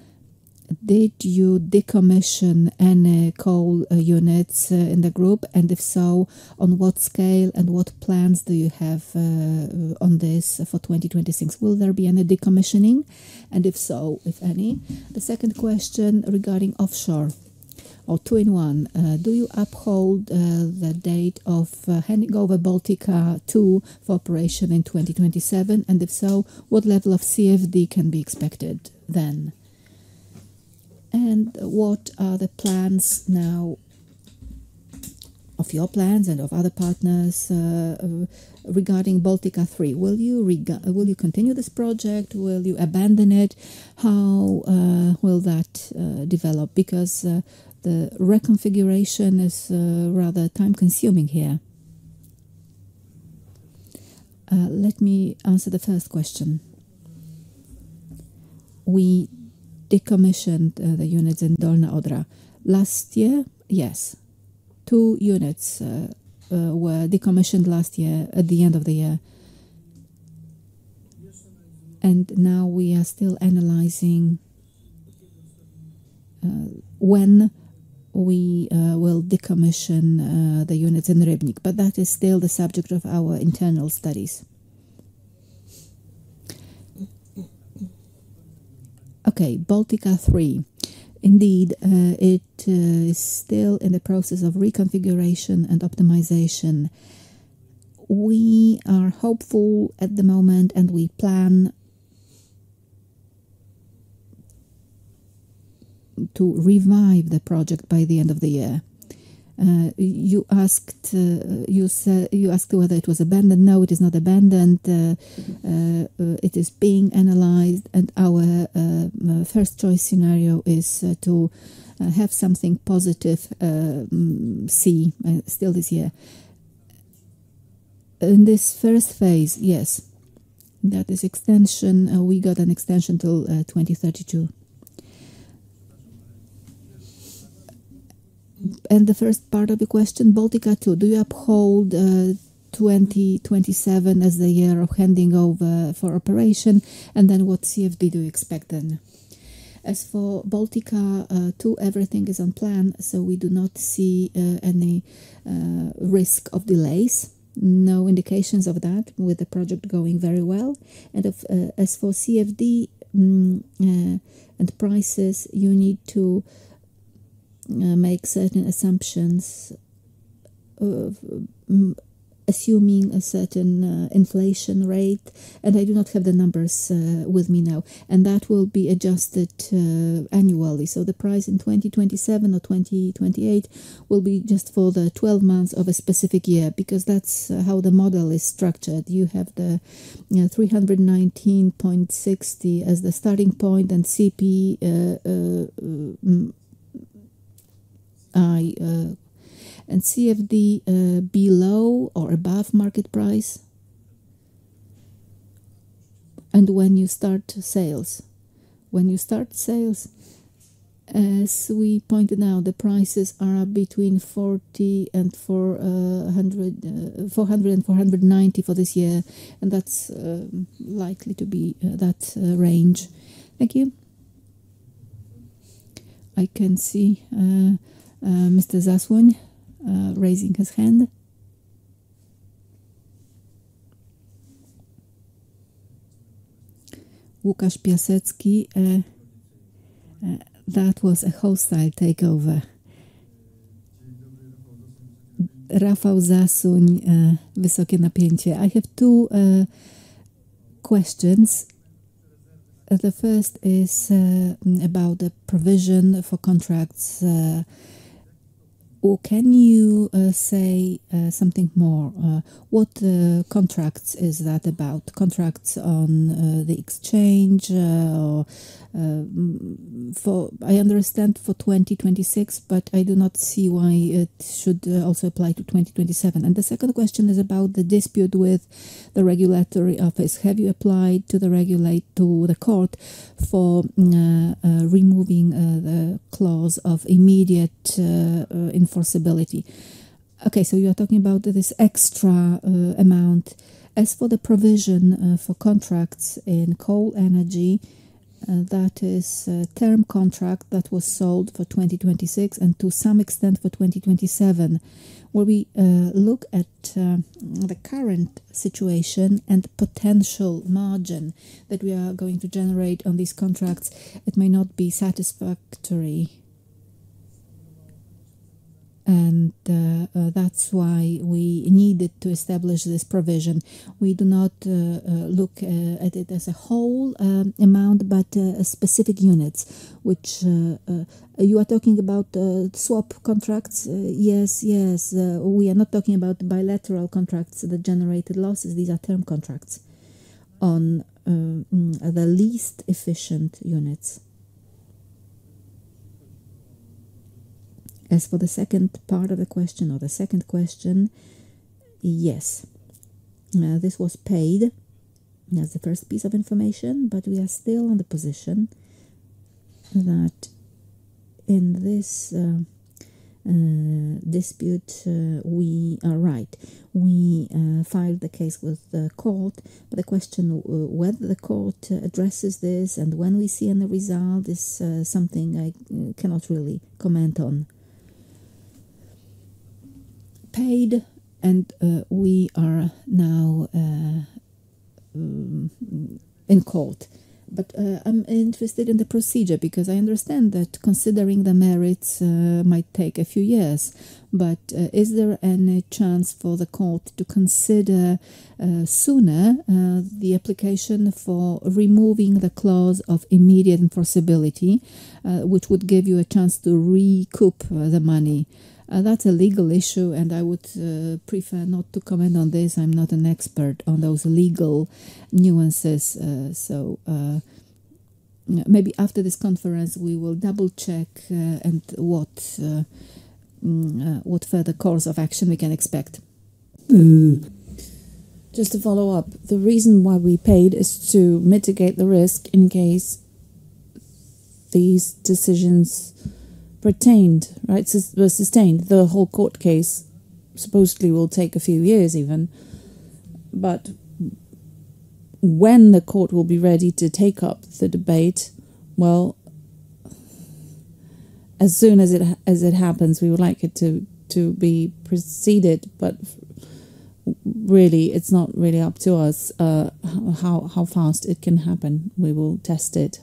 did you decommission any coal units in the group? And if so, on what scale and what plans do you have on this for 2026? Will there be any decommissioning, and if so, if any? The second question regarding offshore, or two in one. Do you uphold the date of handing over Baltica 2 for operation in 2027? And if so, what level of CFD can be expected then? And what are the plans now, of your plans and of other partners, regarding Baltica 3? Will you continue this project? Will you abandon it? How will that develop? Because the reconfiguration is rather time-consuming here. Let me answer the first question. We decommissioned the units in Dolna Odra last year. Yes. Two units were decommissioned last year at the end of the year. Now we are still analyzing when we will decommission the units in Rybnik. That is still the subject of our internal studies. Okay. Baltica 3. Indeed, it is still in the process of reconfiguration and optimization. We are hopeful at the moment, and we plan to revive the project by the end of the year. You asked whether it was abandoned. No, it is not abandoned. It is being analyzed, and our first-choice scenario is to have something positive, see still this year. In this first phase, yes, that is extension. We got an extension till 2032. The first part of your question, Baltica 2, do you uphold 2027 as the year of handing over for operation, and then what CFD do you expect then? As for Baltica 2, everything is on plan, so we do not see any risk of delays. No indications of that, with the project going very well. As for CFD and prices, you need to make certain assumptions, assuming a certain inflation rate, and I do not have the numbers with me now, and that will be adjusted annually. The price in 2027 or 2028 will be just for the 12 months of a specific year, because that's how the model is structured. You have the 319.60 as the starting point, and CFD below or above market price. When you start sales, as we pointed out, the prices are between 400 and 490 for this year, and that's likely to be that range. Thank you. I can see Mr. Zasuń raising his hand. Łukasz Piasecki. That was a hostile takeover. Rafał Zasuń, WysokieNapięcie. I have two questions. The first is about the provision for contracts. Can you say something more? What contracts is that about? Contracts on the exchange, or for, I understand, for 2026, but I do not see why it should also apply to 2027. The second question is about the dispute with the regulatory office. Have you applied to the court for removing the clause of immediate enforceability? Okay, so you're talking about this extra amount. As for the provision for contracts in coal energy, that is a term contract that was sold for 2026 and to some extent for 2027, where we look at the current situation and potential margin that we are going to generate on these contracts, it may not be satisfactory. That's why we needed to establish this provision. We do not look at it as a whole amount, but specific units, which you are talking about swap contracts. Yes. We are not talking about bilateral contracts that generated losses. These are term contracts on the least efficient units. As for the second part of the question or the second question, yes. This was paid as the first piece of information, but we are still in the position that in this dispute, we are right. We filed the case with the court, but the question whether the court addresses this and when we see any result is something I cannot really comment on. Paid, and we are now in court. I'm interested in the procedure, because I understand that considering the merits might take a few years. Is there any chance for the court to consider sooner, the application for removing the clause of immediate enforceability, which would give you a chance to recoup the money? That's a legal issue, and I would prefer not to comment on this. I'm not an expert on those legal nuances. Maybe after this conference, we will double-check what further course of action we can expect. Just to follow up, the reason why we paid is to mitigate the risk in case these decisions pertained, were sustained. The whole court case supposedly will take a few years even, but when the court will be ready to take up the debate, well, as soon as it happens, we would like it to be proceeded, but really, it's not really up to us how fast it can happen. We will test it,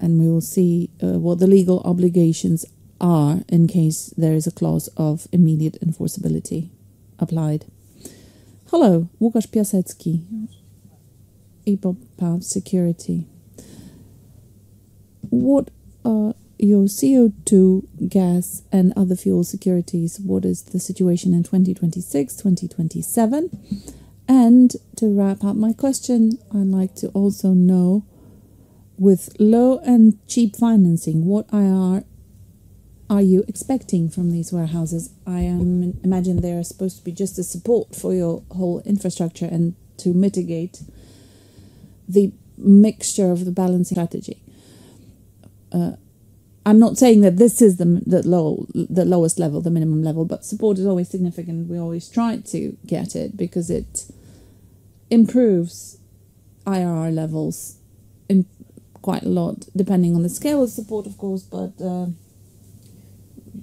and we will see what the legal obligations are in case there is a clause of immediate enforceability applied. Hello, Łukasz Piasecki, IPOPEMA Securities. What are your CO2, gas and other fuel prices? What is the situation in 2026, 2027? To wrap up my question, I'd like to also know, with low and cheap financing, what IRR are you expecting from these warehouses? I imagine they are supposed to be just a support for your whole infrastructure and to mitigate the mixture of the balance strategy. I'm not saying that this is the lowest level, the minimum level, but support is always significant. We always try to get it, because it improves IRR levels quite a lot, depending on the scale of support, of course, but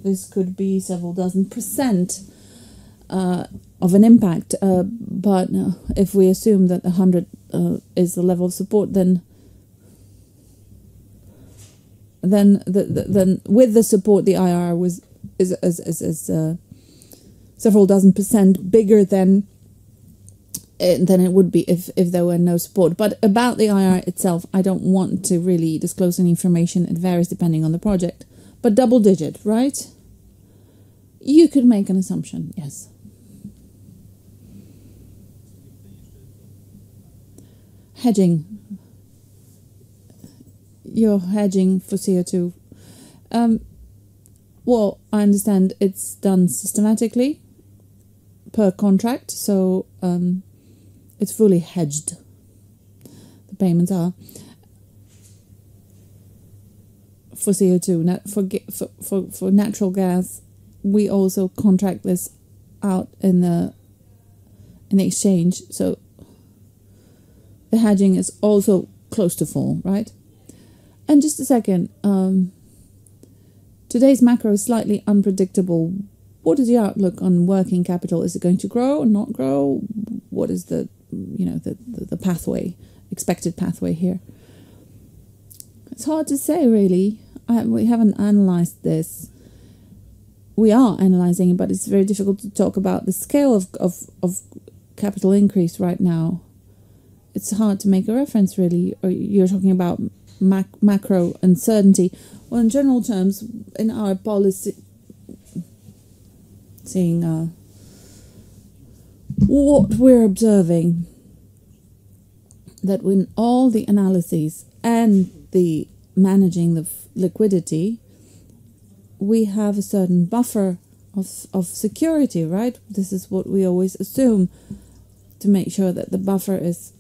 this could be several dozen percent of an impact. If we assume that 100 is the level of support, then with the support, the IRR was several dozen percent bigger than it would be if there were no support. About the IRR itself, I don't want to really disclose any information. It varies depending on the project. Double digit, right? You could make an assumption, yes. Hedging. Your hedging for CO2. Well, I understand it's done systematically per contract, so it's fully hedged. The payments are for CO2. For natural gas, we also contract this out in exchange, so the hedging is also close to full, right? Just a second. Today's macro is slightly unpredictable. What is your outlook on working capital? Is it going to grow or not grow? What is the expected pathway here? It's hard to say, really. We haven't analyzed this. We are analyzing, but it's very difficult to talk about the scale of capital increase right now. It's hard to make a reference, really. You're talking about macro uncertainty. Well, in general terms, in our policy, seeing what we're observing, that when all the analyses and the managing the liquidity, we have a certain buffer of security, right? This is what we always assume to make sure that the buffer is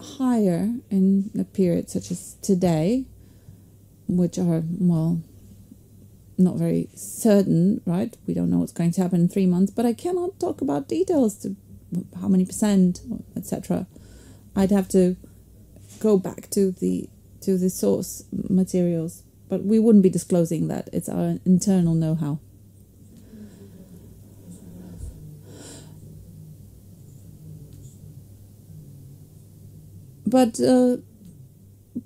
higher in a period such as today, which are, well, not very certain, right? We don't know what's going to happen in three months, but I cannot talk about details to how many percent, et cetera. I'd have to go back to the source materials. We wouldn't be disclosing that. It's our internal know-how.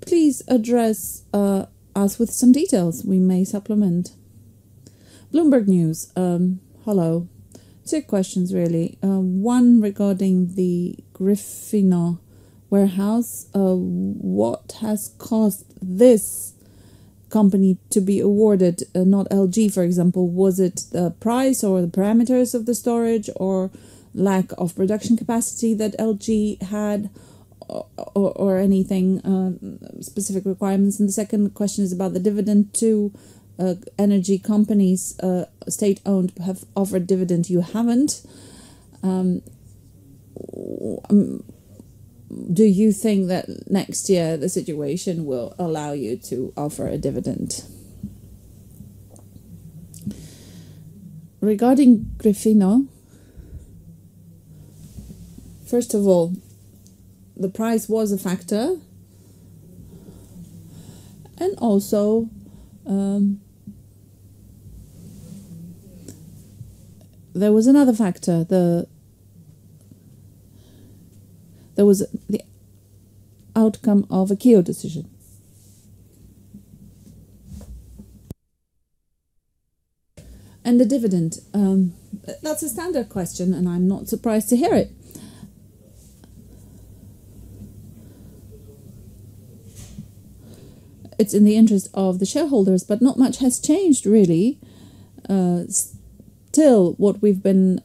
Please address us with some details. We may supplement. Bloomberg News, hello. Two questions, really. One regarding the Gryfino warehouse. What has caused this company to be awarded, not LG, for example? Was it the price or the parameters of the storage, or lack of production capacity that LG had, or any specific requirements? The second question is about the dividend too. Energy companies, state-owned, have offered dividends. You haven't. Do you think that next year the situation will allow you to offer a dividend? Regarding Gryfino, first of all, the price was a factor and also, there was another factor. There was the outcome of a EU decision. The dividend. That's a standard question, and I'm not surprised to hear it. It's in the interest of the shareholders, but not much has changed, really. Still, what we've been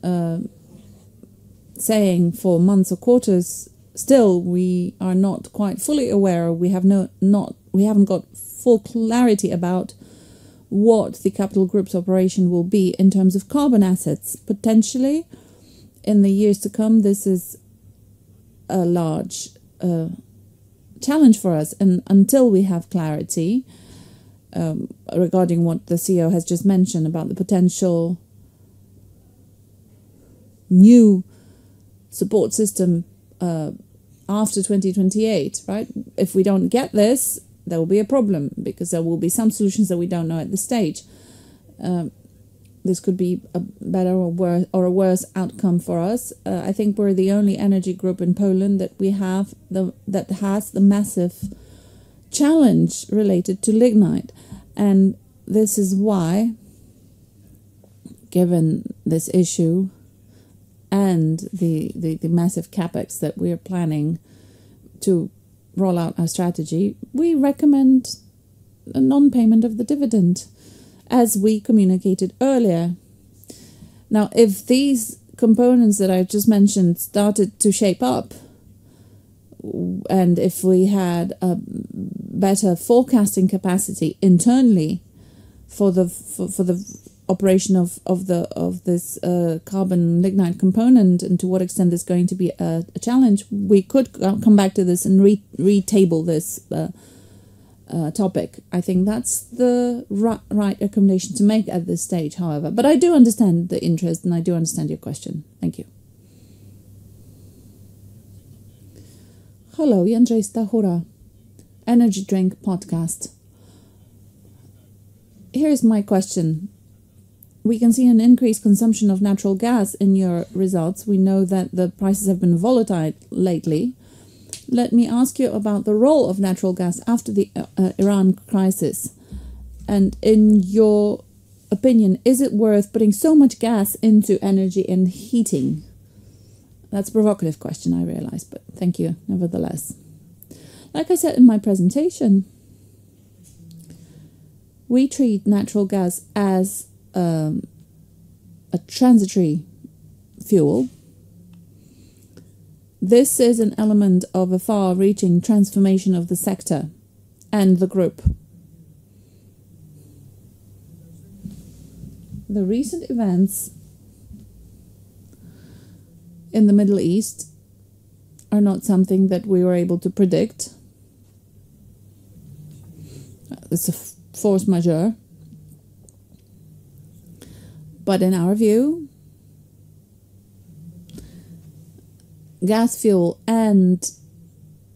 saying for months or quarters, still we are not quite fully aware. We haven't got full clarity about what the capital group's operation will be in terms of carbon assets. Potentially, in the years to come, this is a large challenge for us, and until we have clarity regarding what the CEO has just mentioned about the potential new support system after 2028. If we don't get this, there will be a problem, because there will be some solutions that we don't know at this stage. This could be a better or a worse outcome for us. I think we're the only energy group in Poland that has the massive challenge related to lignite. This is why, given this issue, and the massive CapEx that we're planning to roll out our strategy, we recommend a non-payment of the dividend, as we communicated earlier. Now, if these components that I've just mentioned started to shape up, and if we had a better forecasting capacity internally for the operation of this carbon lignite component and to what extent it's going to be a challenge, we could come back to this and re-table this topic. I think that's the right recommendation to make at this stage, however. But I do understand the interest, and I do understand your question. Thank you. Hello, Jędrzej Stachura, Podcast Energy Drink. Here is my question. We can see an increased consumption of natural gas in your results. We know that the prices have been volatile lately. Let me ask you about the role of natural gas after the Iran crisis. In your opinion, is it worth putting so much gas into energy in heating? That's a provocative question, I realize, but thank you nevertheless. Like I said in my presentation, we treat natural gas as a transitory fuel. This is an element of a far-reaching transformation of the sector and the group. The recent events in the Middle East are not something that we were able to predict. It's a force majeure. In our view, gas, fuel, and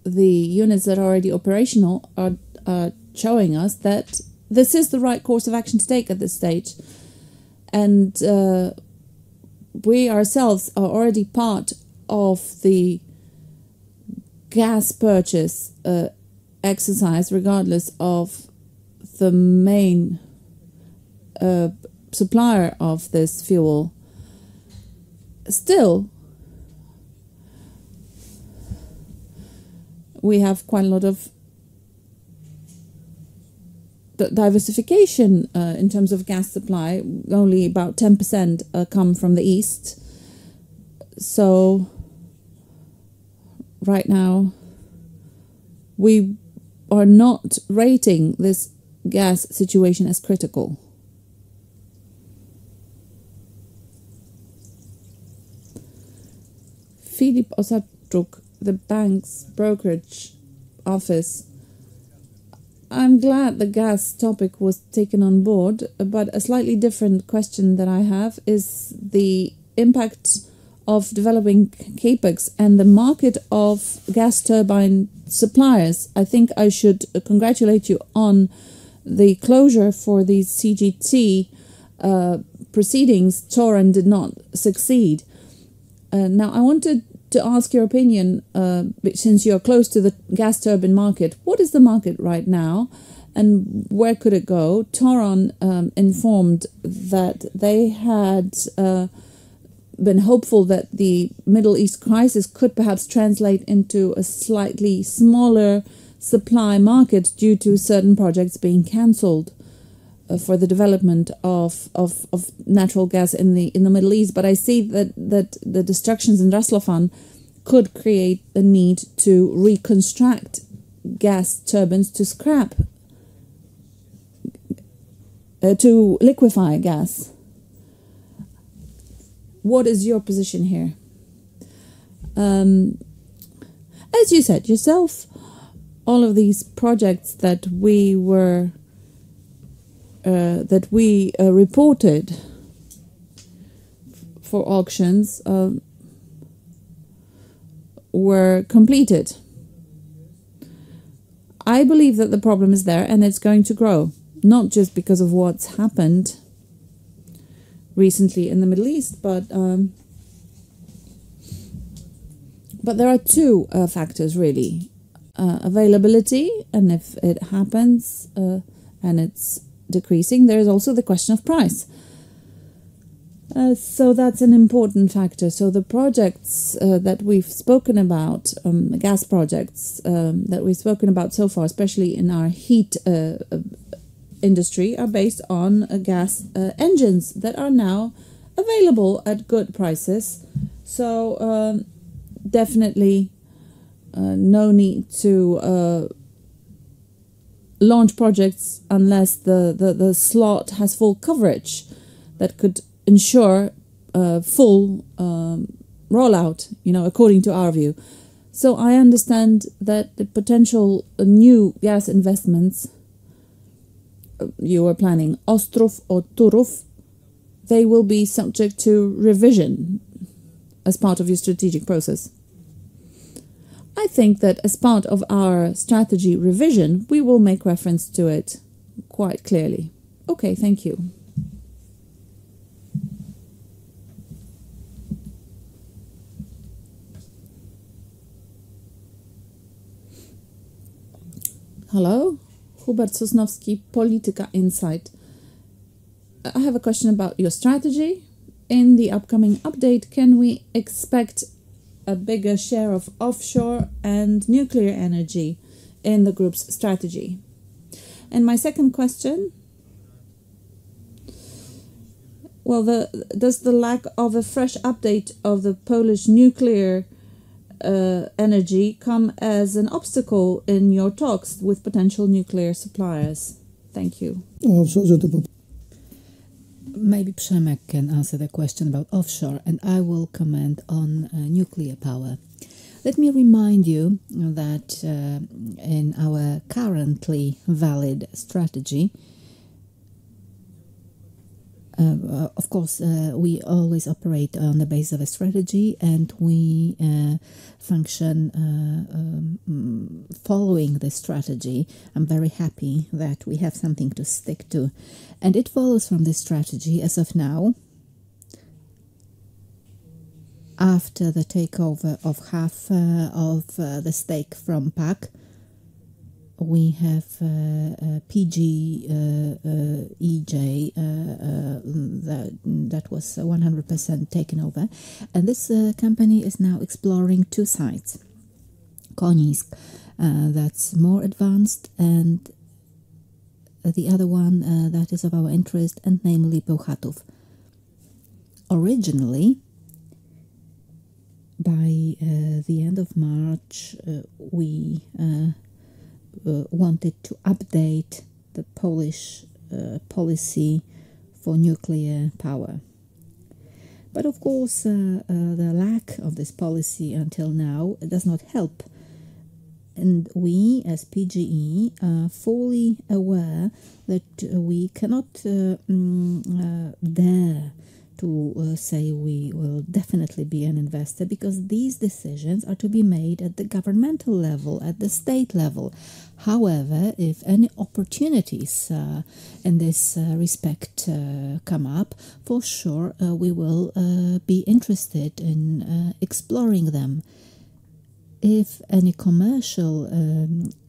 the units that are already operational are showing us that this is the right course of action to take at this stage. We ourselves are already part of the gas purchase exercise, regardless of the main supplier of this fuel. Still, we have quite a lot of diversification in terms of gas supply. Only about 10% come from the East. Right now, we are not rating this gas situation as critical. Filip Ostrowski, the Bank's Brokerage Office. I'm glad the gas topic was taken on board, but a slightly different question that I have is the impact of developing CapEx and the market of gas turbine suppliers. I think I should congratulate you on the closure of the CCGT projects. Toruń did not succeed. Now, I wanted to ask your opinion, since you're close to the gas turbine market. What is the market right now and where could it go? Toruń informed that they had been hopeful that the Middle East crisis could perhaps translate into a slightly smaller supply market due to certain projects being canceled for the development of natural gas in the Middle East. I see that the destructions in Ras Laffan could create a need to reconstruct gas turbines to scrap to liquefy gas. What is your position here? As you said yourself, all of these projects that we reported for auctions were completed. I believe that the problem is there, and it's going to grow, not just because of what's happened recently in the Middle East, but there are two factors, really. Availability, and if it happens, and it's decreasing, there is also the question of price. That's an important factor. The projects that we've spoken about, gas projects that we've spoken about so far, especially in our heat industry, are based on gas engines that are now available at good prices. Definitely no need to launch projects unless the slot has full coverage that could ensure a full rollout, according to our view. I understand that the potential new gas investments you are planning, Ostrów or Turów, they will be subject to revision as part of your strategic process. I think that as part of our strategy revision, we will make reference to it quite clearly. Okay. Thank you. Hello. Hubert Sosnowski, Polityka Insight. I have a question about your strategy. In the upcoming update, can we expect a bigger share of offshore and nuclear energy in the group's strategy? My second question, does the lack of a fresh update of the Polish nuclear energy come as an obstacle in your talks with potential nuclear suppliers? Thank you. Maybe Przemysław can answer the question about offshore, and I will comment on nuclear power. Let me remind you that in our currently valid strategy, of course, we always operate on the base of a strategy, and we function following the strategy. I'm very happy that we have something to stick to, and it follows from the strategy as of now, after the takeover of half of the stake from PAK, we have PGE EJ 1, that was 100% taken over, and this company is now exploring two sites, Konin, that's more advanced, and the other one that is of our interest, and namely Bełchatów. Originally, by the end of March, we wanted to update the Polish policy for nuclear power. Of course, the lack of this policy until now does not help. We, as PGE, are fully aware that we cannot dare to say we will definitely be an investor, because these decisions are to be made at the governmental level, at the state level. However, if any opportunities in this respect come up, for sure, we will be interested in exploring them. If any commercial SMRs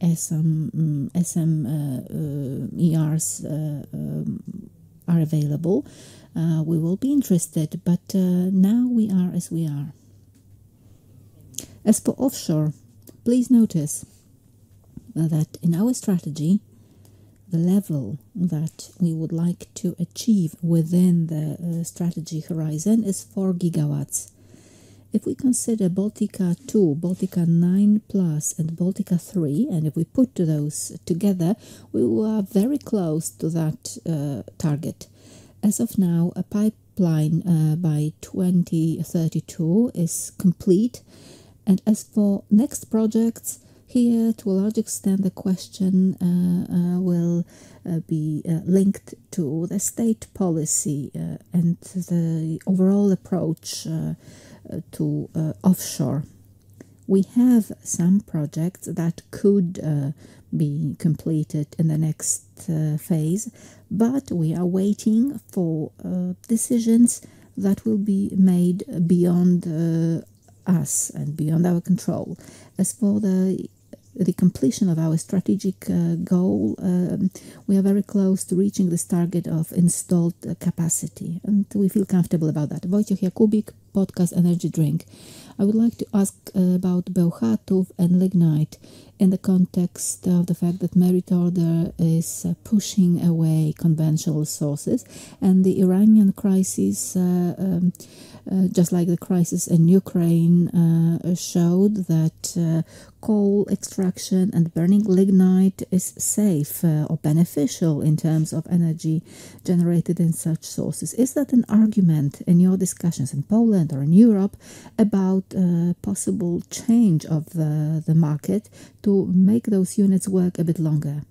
are available, we will be interested. But now we are as we are. As for offshore, please notice that in our strategy, the level that we would like to achieve within the strategy horizon is 4 GW. If we consider Baltica 2, Baltica 9+, and Baltica 3, and if we put those together, we are very close to that target. As of now, a pipeline by 2032 is complete, and as for next projects here, to a large extent, the question will be linked to the state policy and the overall approach to offshore. We have some projects that could be completed in the next phase, but we are waiting for decisions that will be made beyond us and beyond our control. As for the completion of our strategic goal, we are very close to reaching this target of installed capacity, and we feel comfortable about that. Wojciech Jakóbik, podcast, "Energy Drink." I would like to ask about Bełchatów and lignite in the context of the fact that merit order is pushing away conventional sources, and the Iranian crisis, just like the crisis in Ukraine, showed that coal extraction and burning lignite is safe or beneficial in terms of energy generated in such sources. Is that an argument in your discussions in Poland or in Europe about possible change of the market to make those units work a bit longer?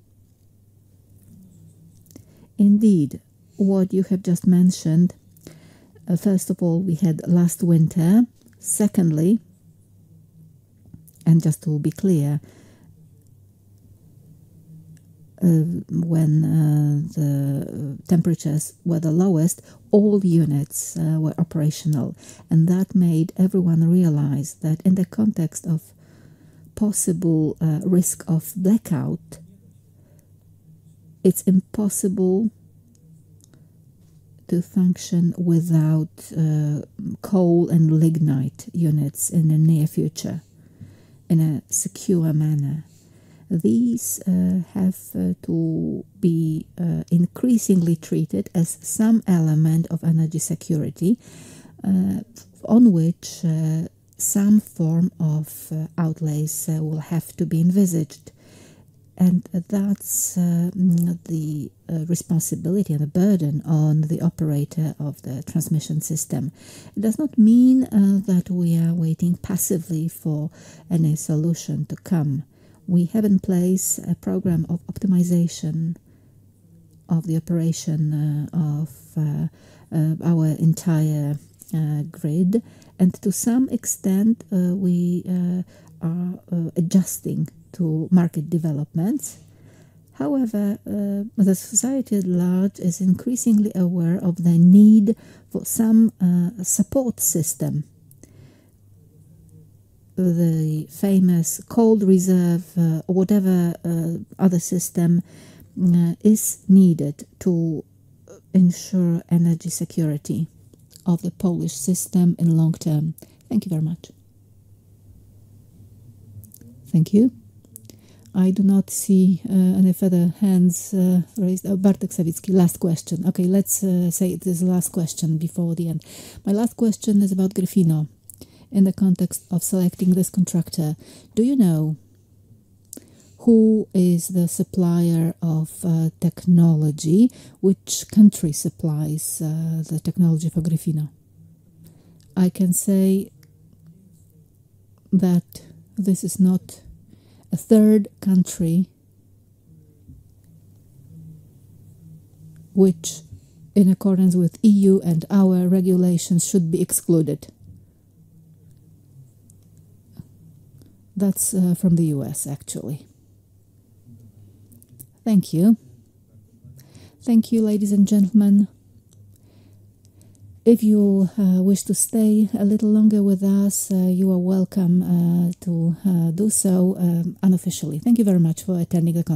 Indeed, what you have just mentioned, first of all, we had last winter. Secondly, and just to be clear when the temperatures were the lowest, all the units were operational. That made everyone realize that in the context of possible risk of blackout, it's impossible to function without coal and lignite units in the near future in a secure manner. These have to be increasingly treated as some element of energy security, on which some form of outlays will have to be envisaged. That's the responsibility and the burden on the operator of the transmission system. It does not mean that we are waiting passively for any solution to come. We have in place a program of optimization of the operation of our entire grid, and to some extent, we are adjusting to market developments. However, the society at large is increasingly aware of the need for some support system, the famous cold reserve, or whatever other system is needed to ensure energy security of the Polish system in the long term. Thank you very much. Thank you. I do not see any further hands raised. Bartłomiej Sawicki, last question. Okay, let's say this is the last question before the end. My last question is about Gryfino in the context of selecting this contractor. Do you know who is the supplier of technology? Which country supplies the technology for Gryfino? I can say that this is not a third country, which in accordance with E.U. and our regulations should be excluded. That's from the U.S., actually. Thank you. Thank you, ladies and gentlemen. If you wish to stay a little longer with us, you are welcome to do so unofficially. Thank you very much for attending the conference.